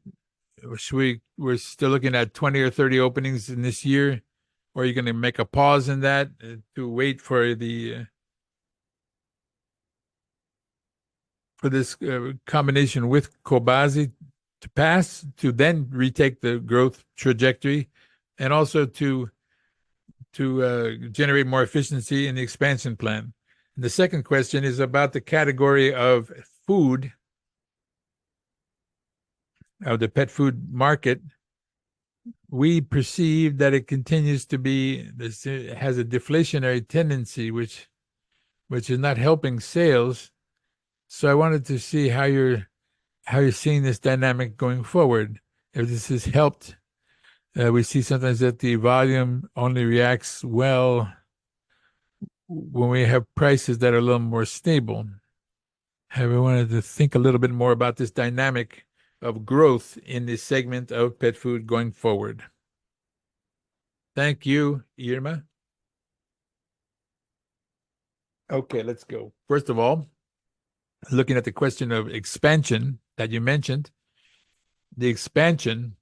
still looking at 20 or 30 openings in this year. Are you going to make a pause in that to wait for this combination with Cobasi to pass, to then retake the growth trajectory, and also to generate more efficiency in the expansion plan? The second question is about the category of food, of the pet food market. We perceive that it continues to be has a deflationary tendency, which is not helping sales. So I wanted to see how you're seeing this dynamic going forward. If this has helped, we see sometimes that the volume only reacts well when we have prices that are a little more stable. I wanted to think a little bit more about this dynamic of growth in this segment of pet food going forward. Thank you, Irma. Okay, let's go. First of all, looking at the question of expansion that you mentioned, the expansion,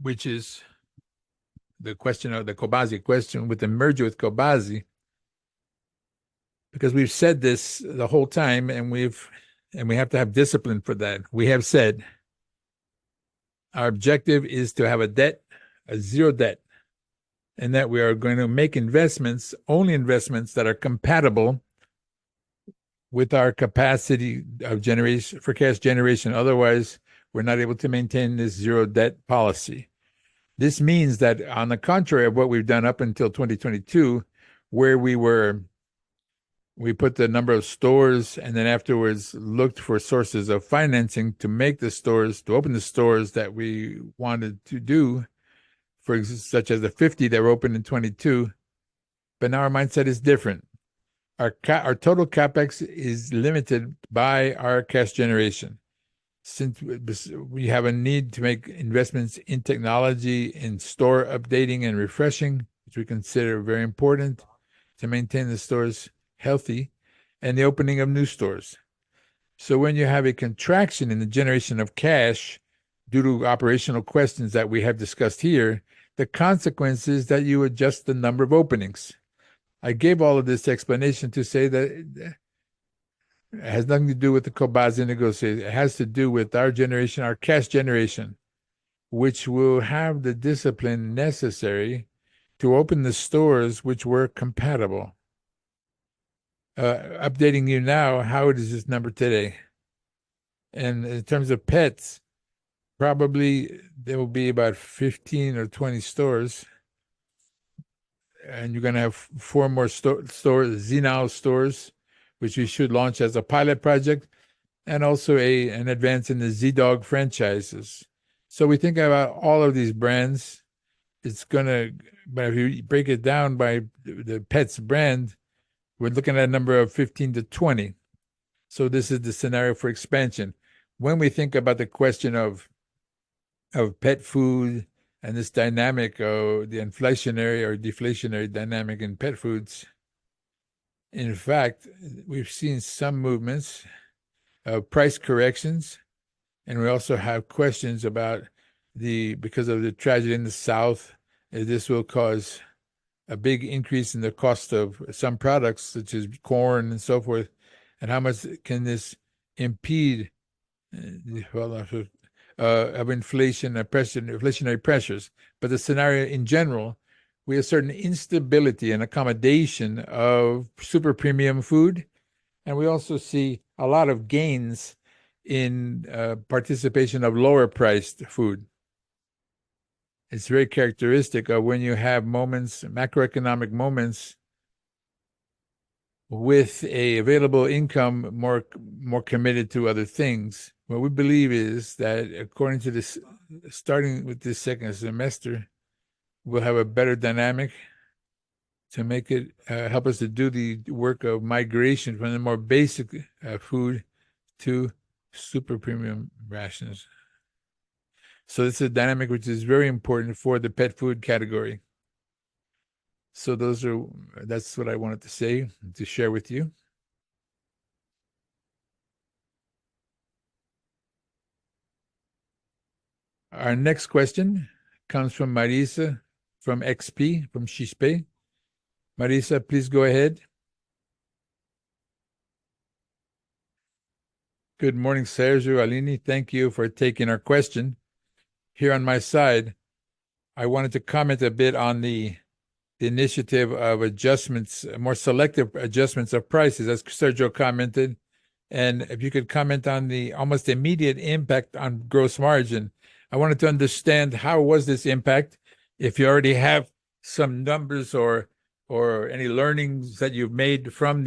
which is the question of the Cobasi question with the merger with Cobasi, because we've said this the whole time and we have to have discipline for that. We have said our objective is to have a zero debt. And that we are going to make investments, only investments that are compatible with our capacity for cash generation. Otherwise, we're not able to maintain this zero debt policy. This means that on the contrary of what we've done up until 2022, where we put the number of stores and then afterwards looked for sources of financing to make the stores, to open the stores that we wanted to do, such as the 50 that were opened in 2022. But now our mindset is different. Our total CapEx is limited by our cash generation. Since we have a need to make investments in technology, in store updating and refreshing, which we consider very important to maintain the stores healthy, and the opening of new stores. So when you have a contraction in the generation of cash due to operational questions that we have discussed here, the consequence is that you adjust the number of openings. I gave all of this explanation to say that it has nothing to do with the Cobasi negotiating. It has to do with our generation, our cash generation, which will have the discipline necessary to open the stores which were compatible. Updating you now, how is this number today? In terms of Petz, probably there will be about 15 or 20 stores. You're going to have four more Zee.Now stores, which we should launch as a pilot project. Also an advance in the Zee.Dog franchises. We think about all of these brands. If you break it down by the Petz's brand, we're looking at a number of 15-20. So this is the scenario for expansion. When we think about the question of pet food and this dynamic of the inflationary or deflationary dynamic in pet foods, in fact, we've seen some movements of price corrections. We also have questions about because of the tragedy in the south, this will cause a big increase in the cost of some products, such as corn and so forth. And how much can this impede of inflationary pressures? But the scenario in general, we have certain instability and accommodation of super premium food. And we also see a lot of gains in participation of lower priced food. It's very characteristic of when you have moments, macroeconomic moments with an available income more committed to other things. What we believe is that according to this starting with this second semester, we'll have a better dynamic to help us to do the work of migration from the more basic food to super premium rations. So this is a dynamic which is very important for the pet food category. So that's what I wanted to say, to share with you. Our next question comes from Larissa from XP, from XP. Larissa, please go ahead. Good morning, Sergio and Aline. Thank you for taking our question. Here on my side, I wanted to comment a bit on the initiative of more selective adjustments of prices, as Sergio commented. If you could comment on the almost immediate impact on gross margin, I wanted to understand how was this impact if you already have some numbers or any learnings that you've made from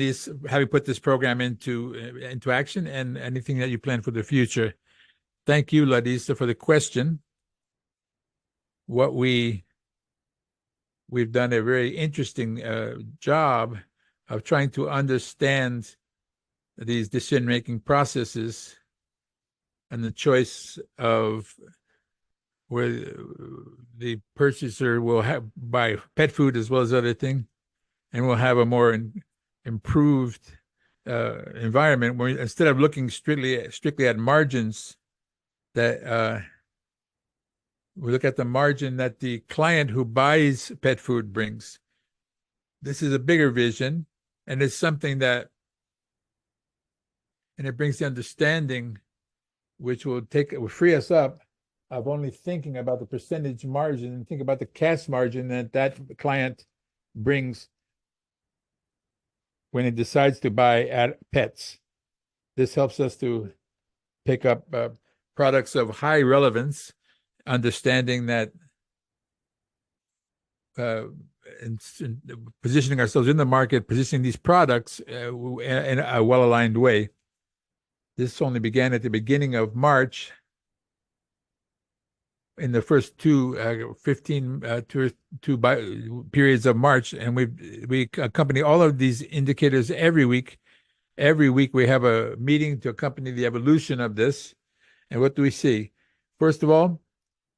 having put this program into action and anything that you plan for the future? Thank you, Larissa, for the question. We've done a very interesting job of trying to understand these decision-making processes and the choice of where the purchaser will buy pet food as well as other things. We'll have a more improved environment where instead of looking strictly at margins, we look at the margin that the client who buys pet food brings. This is a bigger vision. It's something that brings the understanding which will free us up of only thinking about the percentage margin and think about the cash margin that that client brings when he decides to buy at Petz. This helps us to pick up products of high relevance, understanding that positioning ourselves in the market, positioning these products in a well-aligned way. This only began at the beginning of March in the first 15 periods of March. We accompany all of these indicators every week. Every week we have a meeting to accompany the evolution of this. What do we see? First of all,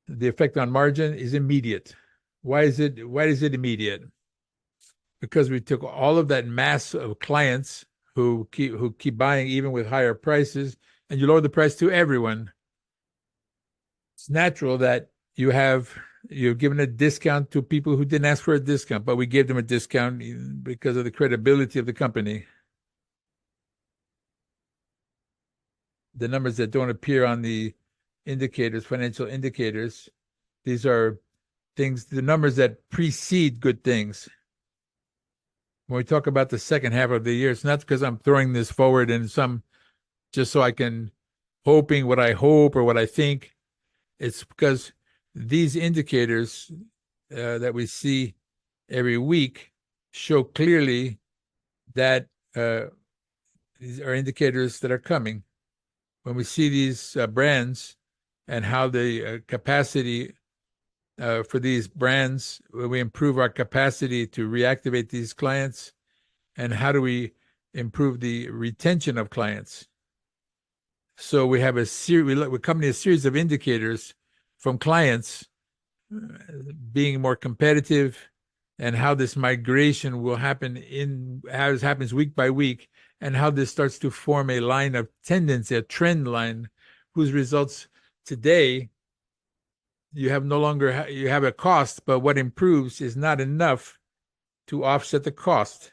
the effect on margin is immediate. Why is it immediate? Because we took all of that mass of clients who keep buying even with higher prices, and you lower the price to everyone. It's natural that you've given a discount to people who didn't ask for a discount, but we gave them a discount because of the credibility of the company. The numbers that don't appear on the financial indicators, these are the numbers that precede good things. When we talk about the second half of the year, it's not because I'm throwing this forward just so I can hope what I hope or what I think. It's because these indicators that we see every week show clearly that these are indicators that are coming. When we see these brands and how the capacity for these brands, we improve our capacity to reactivate these clients. How do we improve the retention of clients? So, we accompany a series of indicators from clients being more competitive and how this migration will happen as it happens week by week and how this starts to form a line of tendency, a trend line, whose results today you have no longer you have a cost, but what improves is not enough to offset the cost.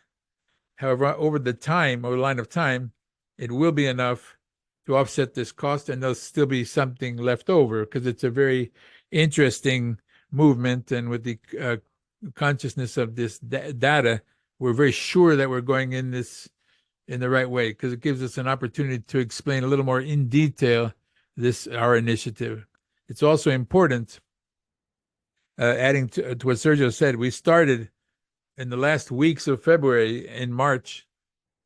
However, over the time or line of time, it will be enough to offset this cost and there'll still be something left over because it's a very interesting movement. With the consciousness of this data, we're very sure that we're going in the right way because it gives us an opportunity to explain a little more in detail our initiative. It's also important, adding to what Sergio said, we started in the last weeks of February and March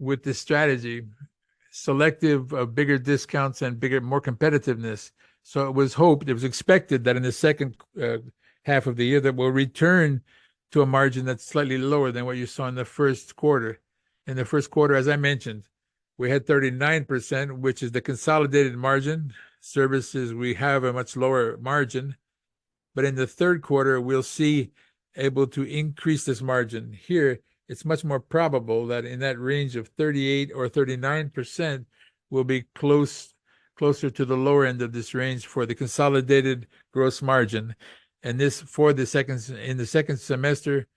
with this strategy, selective of bigger discounts and more competitiveness. So it was hoped, it was expected that in the second half of the year that we'll return to a margin that's slightly lower than what you saw in the first quarter. In the first quarter, as I mentioned, we had 39%, which is the consolidated margin. Services, we have a much lower margin. But in the third quarter, we'll be able to increase this margin. Here, it's much more probable that in that range of 38% or 39%, we'll be closer to the lower end of this range for the consolidated gross margin. And this for the second in the second semester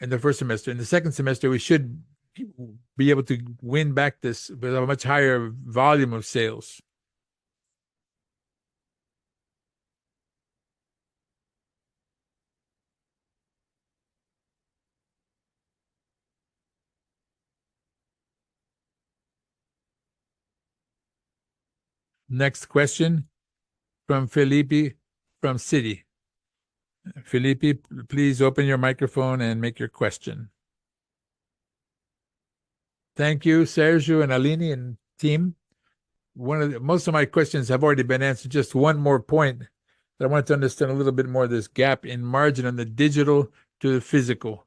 and the first semester. In the second semester, we should be able to win back this with a much higher volume of sales. Next question from Felipe from Citi. Felipe, please open your microphone and make your question. Thank you, Sergio and Aline and team. Most of my questions have already been answered. Just one more point that I wanted to understand a little bit more of this gap in margin on the digital to the physical.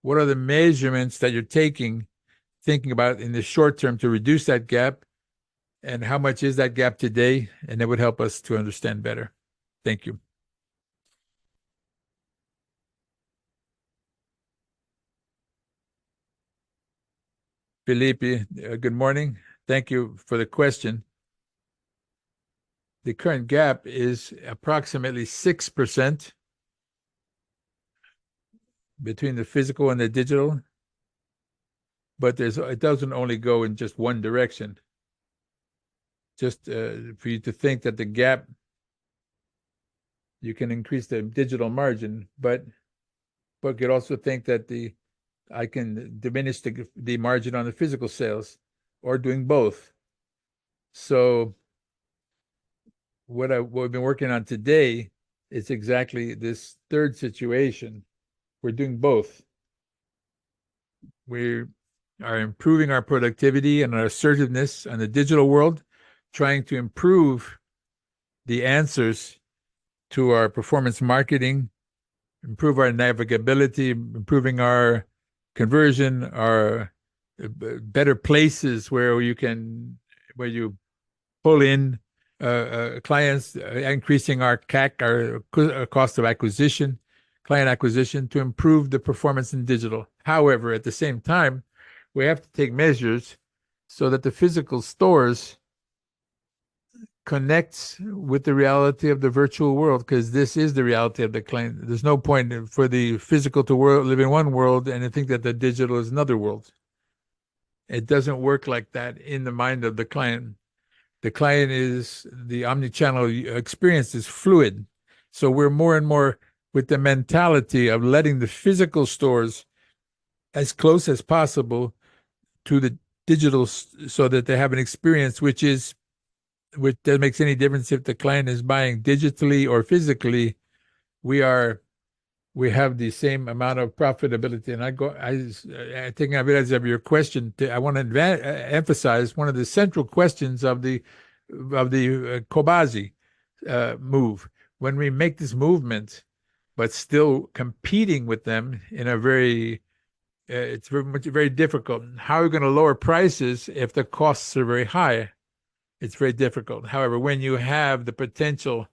What are the measurements that you're taking, thinking about in the short term to reduce that gap? And how much is that gap today? And that would help us to understand better. Thank you. Felipe, good morning. Thank you for the question. The current gap is approximately 6% between the physical and the digital. But it doesn't only go in just one direction. Just for you to think that the gap, you can increase the digital margin, but you'd also think that I can diminish the margin on the physical sales or doing both. So what we've been working on today is exactly this third situation. We're doing both. We are improving our productivity and our assertiveness in the digital world, trying to improve the answers to our performance marketing, improve our navigability, improving our conversion, our better places where you pull in clients, increasing our cost of acquisition, client acquisition to improve the performance in digital. However, at the same time, we have to take measures so that the physical stores connect with the reality of the virtual world because this is the reality of the client. There's no point for the physical to live in one world and to think that the digital is another world. It doesn't work like that in the mind of the client. The omnichannel experience is fluid. So we're more and more with the mentality of letting the physical stores as close as possible to the digital so that they have an experience which doesn't make any difference if the client is buying digitally or physically. We have the same amount of profitability. And taking advantage of your question, I want to emphasize one of the central questions of the Cobasi move. When we make this movement, but still competing with them, it's very difficult. How are we going to lower prices if the costs are very high? It's very difficult. However, when you have the potential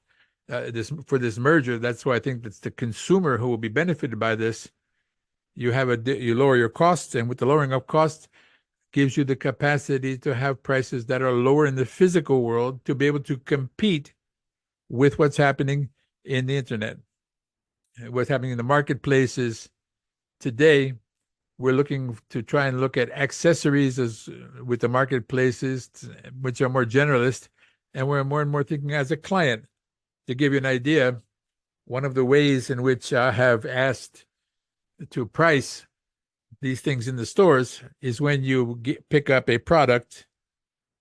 for this merger, that's why I think that's the consumer who will be benefited by this. You lower your costs, and with the lowering of costs gives you the capacity to have prices that are lower in the physical world to be able to compete with what's happening in the internet. What's happening in the marketplaces today, we're looking to try and look at accessories with the marketplaces, which are more generalist. We're more and more thinking as a client. To give you an idea, one of the ways in which I have asked to price these things in the stores is when you pick up a product,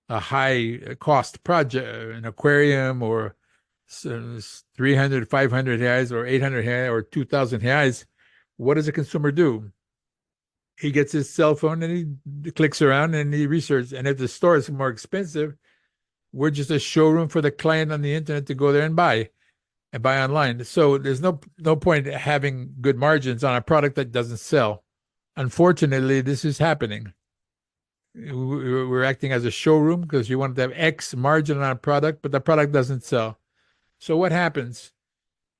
a high-cost project, an aquarium or 300, 500 reais or 800 reais or 2,000 reais what does the consumer do? He gets his cell phone and he clicks around and he researches. And if the store is more expensive, we're just a showroom for the client on the internet to go there and buy online. So there's no point having good margins on a product that doesn't sell. Unfortunately, this is happening. We're acting as a showroom because you want to have X margin on a product, but the product doesn't sell. So what happens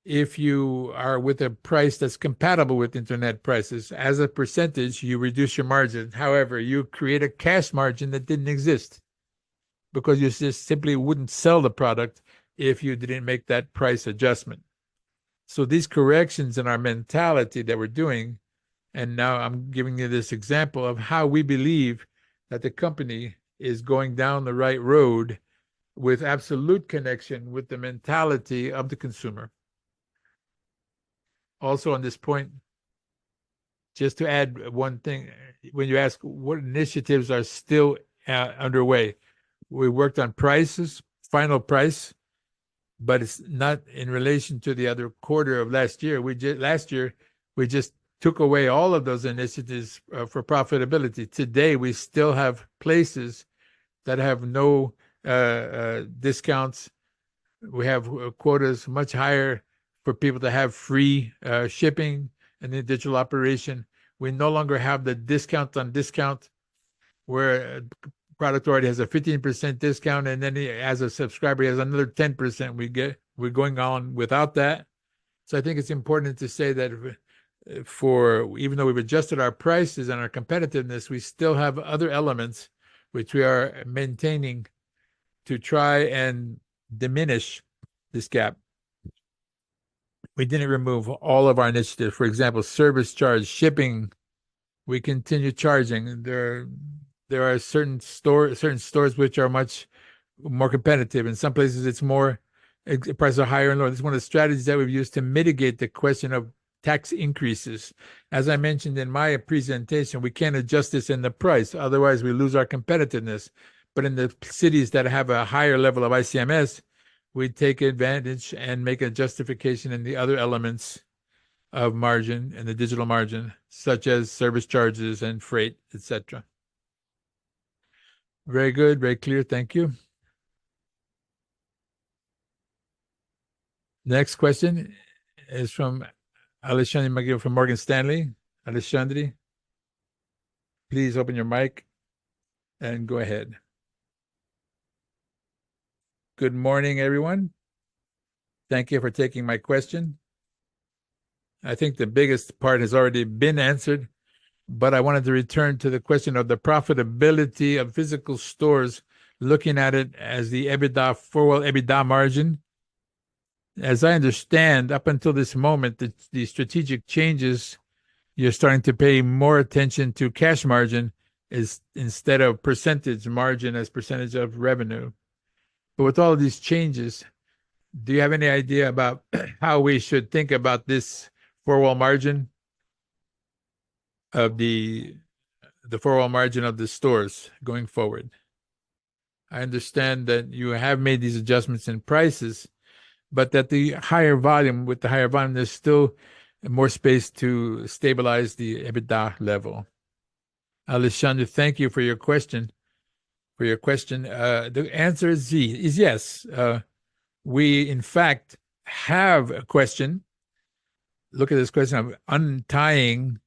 if you are with a price that's compatible with internet prices? As a percentage, you reduce your margin. However, you create a cash margin that didn't exist because you just simply wouldn't sell the product if you didn't make that price adjustment. So these corrections in our mentality that we're doing, and now I'm giving you this example of how we believe that the company is going down the right road with absolute connection with the mentality of the consumer. Also on this point, just to add one thing, when you ask what initiatives are still underway, we worked on prices, final price, but it's not in relation to the other quarter of last year. Last year, we just took away all of those initiatives for profitability. Today, we still have places that have no discounts. We have quotas much higher for people to have free shipping and digital operation. We no longer have the discount on discount where Price Authority has a 15% discount and then as a subscriber, he has another 10%. We're going on without that. So I think it's important to say that even though we've adjusted our prices and our competitiveness, we still have other elements which we are maintaining to try and diminish this gap. We didn't remove all of our initiatives. For example, service charge, shipping, we continue charging. There are certain stores which are much more competitive. In some places, the price is higher and lower. This is one of the strategies that we've used to mitigate the question of tax increases. As I mentioned in my presentation, we can't adjust this in the price. Otherwise, we lose our competitiveness. But in the cities that have a higher level of ICMS, we take advantage and make a justification in the other elements of margin and the digital margin, such as service charges and freight, etc. Very good, very clear. Thank you. Next question is from Alexandre Marques from Morgan Stanley. Alexandre, please open your mic and go ahead. Good morning, everyone. Thank you for taking my question. I think the biggest part has already been answered. But I wanted to return to the question of the profitability of physical stores, looking at it as the forward EBITDA margin. As I understand, up until this moment, the strategic changes, you're starting to pay more attention to cash margin instead of percentage margin as percentage of revenue. But with all of these changes, do you have any idea about how we should think about this forward margin of the forward margin of the stores going forward? I understand that you have made these adjustments in prices, but that with the higher volume, there's still more space to stabilize the EBITDA level. Alexandre, thank you for your question. The answer is easy, is yes. We, in fact, have a question. Look at this question of untying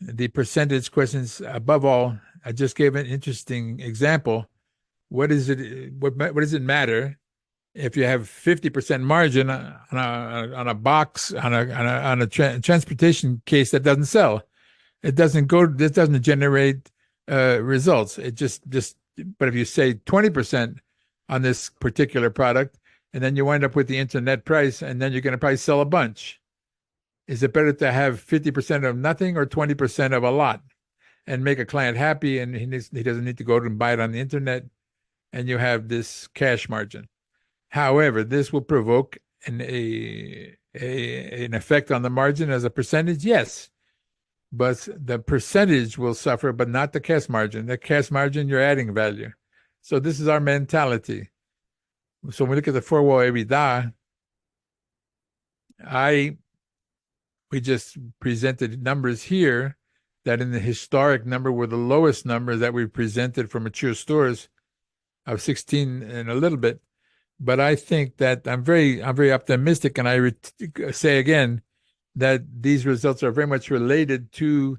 the percentage questions. Above all, I just gave an interesting example. What does it matter if you have a 50% margin on a box, on a transportation case that doesn't sell? It doesn't generate results. But if you say 20% on this particular product, and then you wind up with the internet price, and then you're going to probably sell a bunch. Is it better to have 50% of nothing or 20% of a lot and make a client happy and he doesn't need to go to buy it on the internet? And you have this cash margin. However, this will provoke an effect on the margin as a percentage, yes. But the percentage will suffer, but not the cash margin. The cash margin, you're adding value. So this is our mentality. So when we look at the forward EBITDA, we just presented numbers here that in the historic number were the lowest numbers that we presented for mature stores of 16 and a little bit. I think that I'm very optimistic, and I say again that these results are very much related to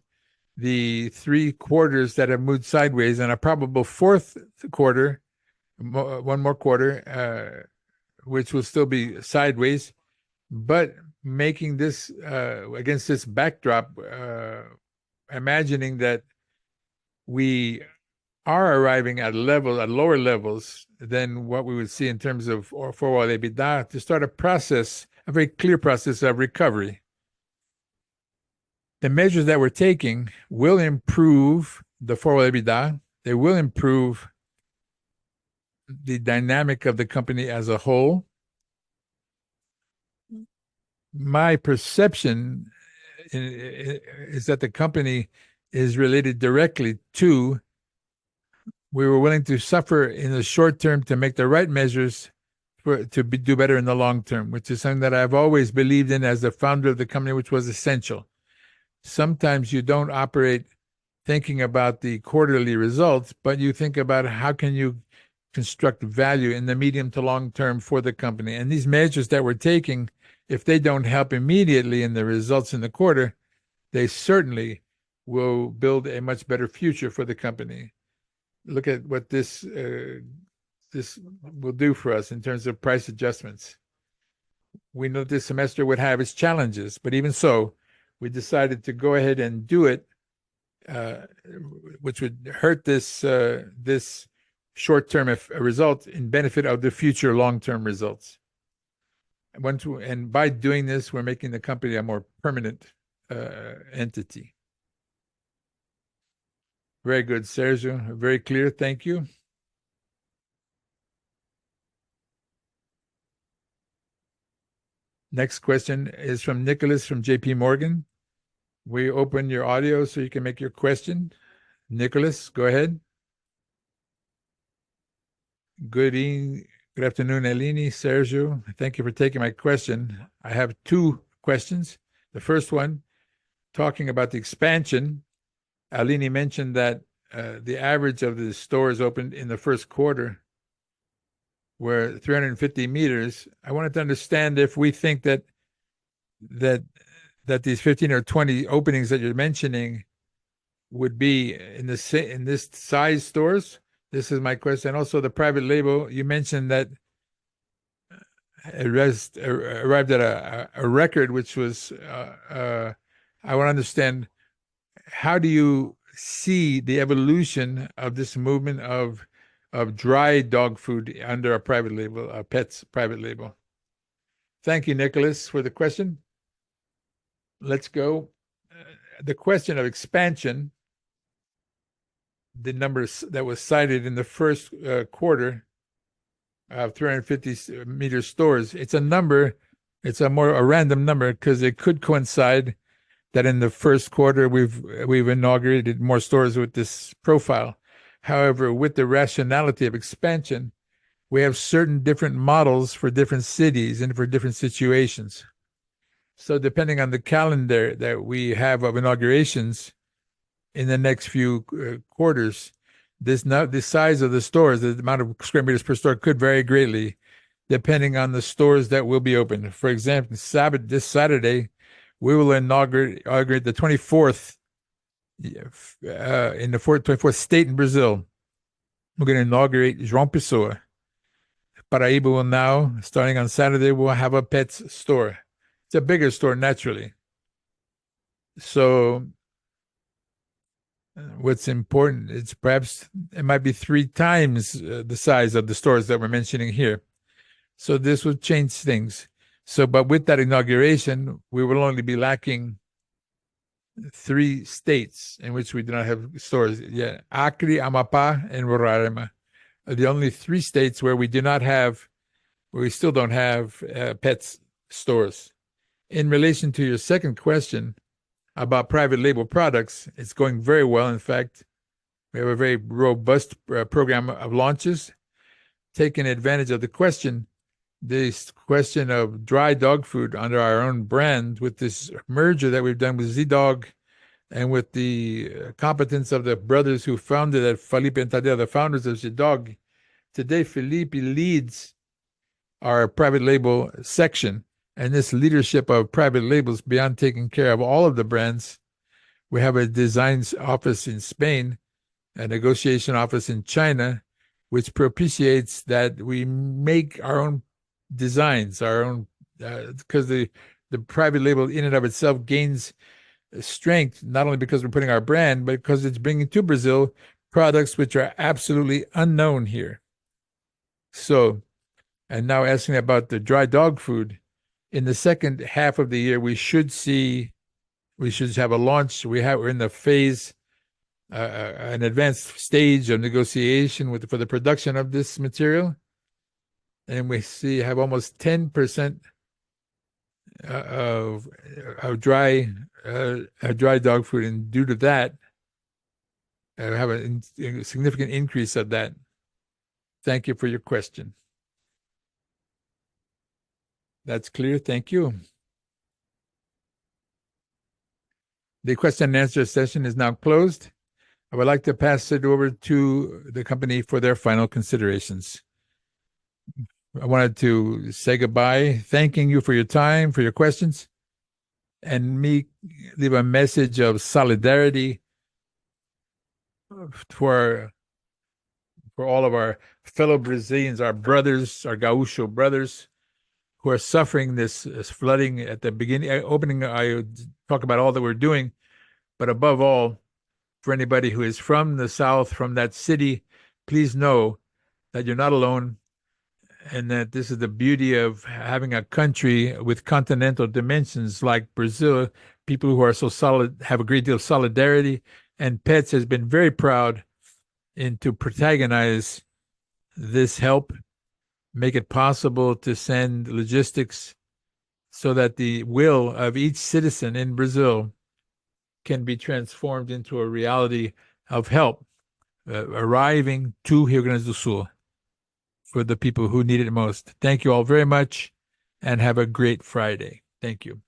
the three quarters that have moved sideways and a probable fourth quarter, one more quarter, which will still be sideways. But making this against this backdrop, imagining that we are arriving at lower levels than what we would see in terms of forward EBITDA to start a process, a very clear process of recovery. The measures that we're taking will improve the forward EBITDA. They will improve the dynamic of the company as a whole. My perception is that the company is related directly to we were willing to suffer in the short term to make the right measures to do better in the long term, which is something that I've always believed in as the founder of the company, which was essential. Sometimes you don't operate thinking about the quarterly results, but you think about how can you construct value in the medium to long term for the company. And these measures that we're taking, if they don't help immediately in the results in the quarter, they certainly will build a much better future for the company. Look at what this will do for us in terms of price adjustments. We know this semester would have its challenges, but even so, we decided to go ahead and do it, which would hurt this short-term result in benefit of the future long-term results. And by doing this, we're making the company a more permanent entity. Very good, Sergio. Very clear. Thank you. Next question is from Nicolas from JP Morgan. We open your audio so you can make your question. Nicolas, go ahead. Good afternoon, Aline, Sergio. Thank you for taking my question. I have two questions. The first one, talking about the expansion, Aline mentioned that the average of the stores opened in the first quarter were 350 meters. I wanted to understand if we think that these 15 or 20 openings that you're mentioning would be in this size stores. This is my question. And also the private label, you mentioned that it arrived at a record, which was I want to understand, how do you see the evolution of this movement of dry dog food under a private label, a Petz's private label? Thank you, Nicolas, for the question. Let's go. The question of expansion, the number that was cited in the first quarter of 350-meter stores, it's a number, it's a more random number because it could coincide that in the first quarter, we've inaugurated more stores with this profile. However, with the rationality of expansion, we have certain different models for different cities and for different situations. So depending on the calendar that we have of inaugurations in the next few quarters, the size of the stores, the amount of square meters per store could vary greatly depending on the stores that will be open. For example, this Saturday, we will inaugurate the 24th in the 24th state in Brazil. We're going to inaugurate João Pessoa. Paraíba will now, starting on Saturday, will have a Petz store. It's a bigger store, naturally. So what's important, it's perhaps it might be three times the size of the stores that we're mentioning here. So this would change things. But with that inauguration, we will only be lacking three states in which we do not have stores yet: Acre, Amapá, and Roraima. The only three states where we do not have, where we still don't have Petz stores. In relation to your second question about private label products, it's going very well. In fact, we have a very robust program of launches. Taking advantage of the question, this question of dry dog food under our own brand with this merger that we've done with Zee.Dog and with the competence of the brothers who founded it, Felipe Diz, the founders of Zee.Dog, today, Felipe leads our private label section. This leadership of private labels beyond taking care of all of the brands, we have a designs office in Spain, a negotiation office in China, which propitiates that we make our own designs, our own because the private label in and of itself gains strength, not only because we're putting our brand, but because it's bringing to Brazil products which are absolutely unknown here. Now asking about the dry dog food, in the second half of the year, we should see we should have a launch. We're in the phase, an advanced stage of negotiation for the production of this material. And we have almost 10% of dry dog food. And due to that, we have a significant increase of that. Thank you for your question. That's clear. Thank you. The question and answer session is now closed. I would like to pass it over to the company for their final considerations. I wanted to say goodbye, thanking you for your time, for your questions. And leave a message of solidarity for all of our fellow Brazilians, our brothers, our Gaúcho brothers, who are suffering this flooding at the beginning. Opening, I would talk about all that we're doing. But above all, for anybody who is from the south, from that city, please know that you're not alone. And that this is the beauty of having a country with continental dimensions like Brazil, people who are so solid, have a great deal of solidarity. Petz has been very proud to protagonize this help, make it possible to send logistics so that the will of each citizen in Brazil can be transformed into a reality of help arriving to Rio Grande do Sul for the people who need it most. Thank you all very much. Have a great Friday. Thank you.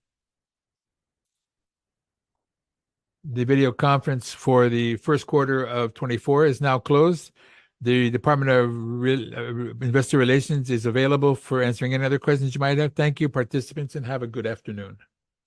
The video conference for the first quarter of 2024 is now closed. The Department of Investor Relations is available for answering any other questions you might have. Thank you, participants, and have a good afternoon.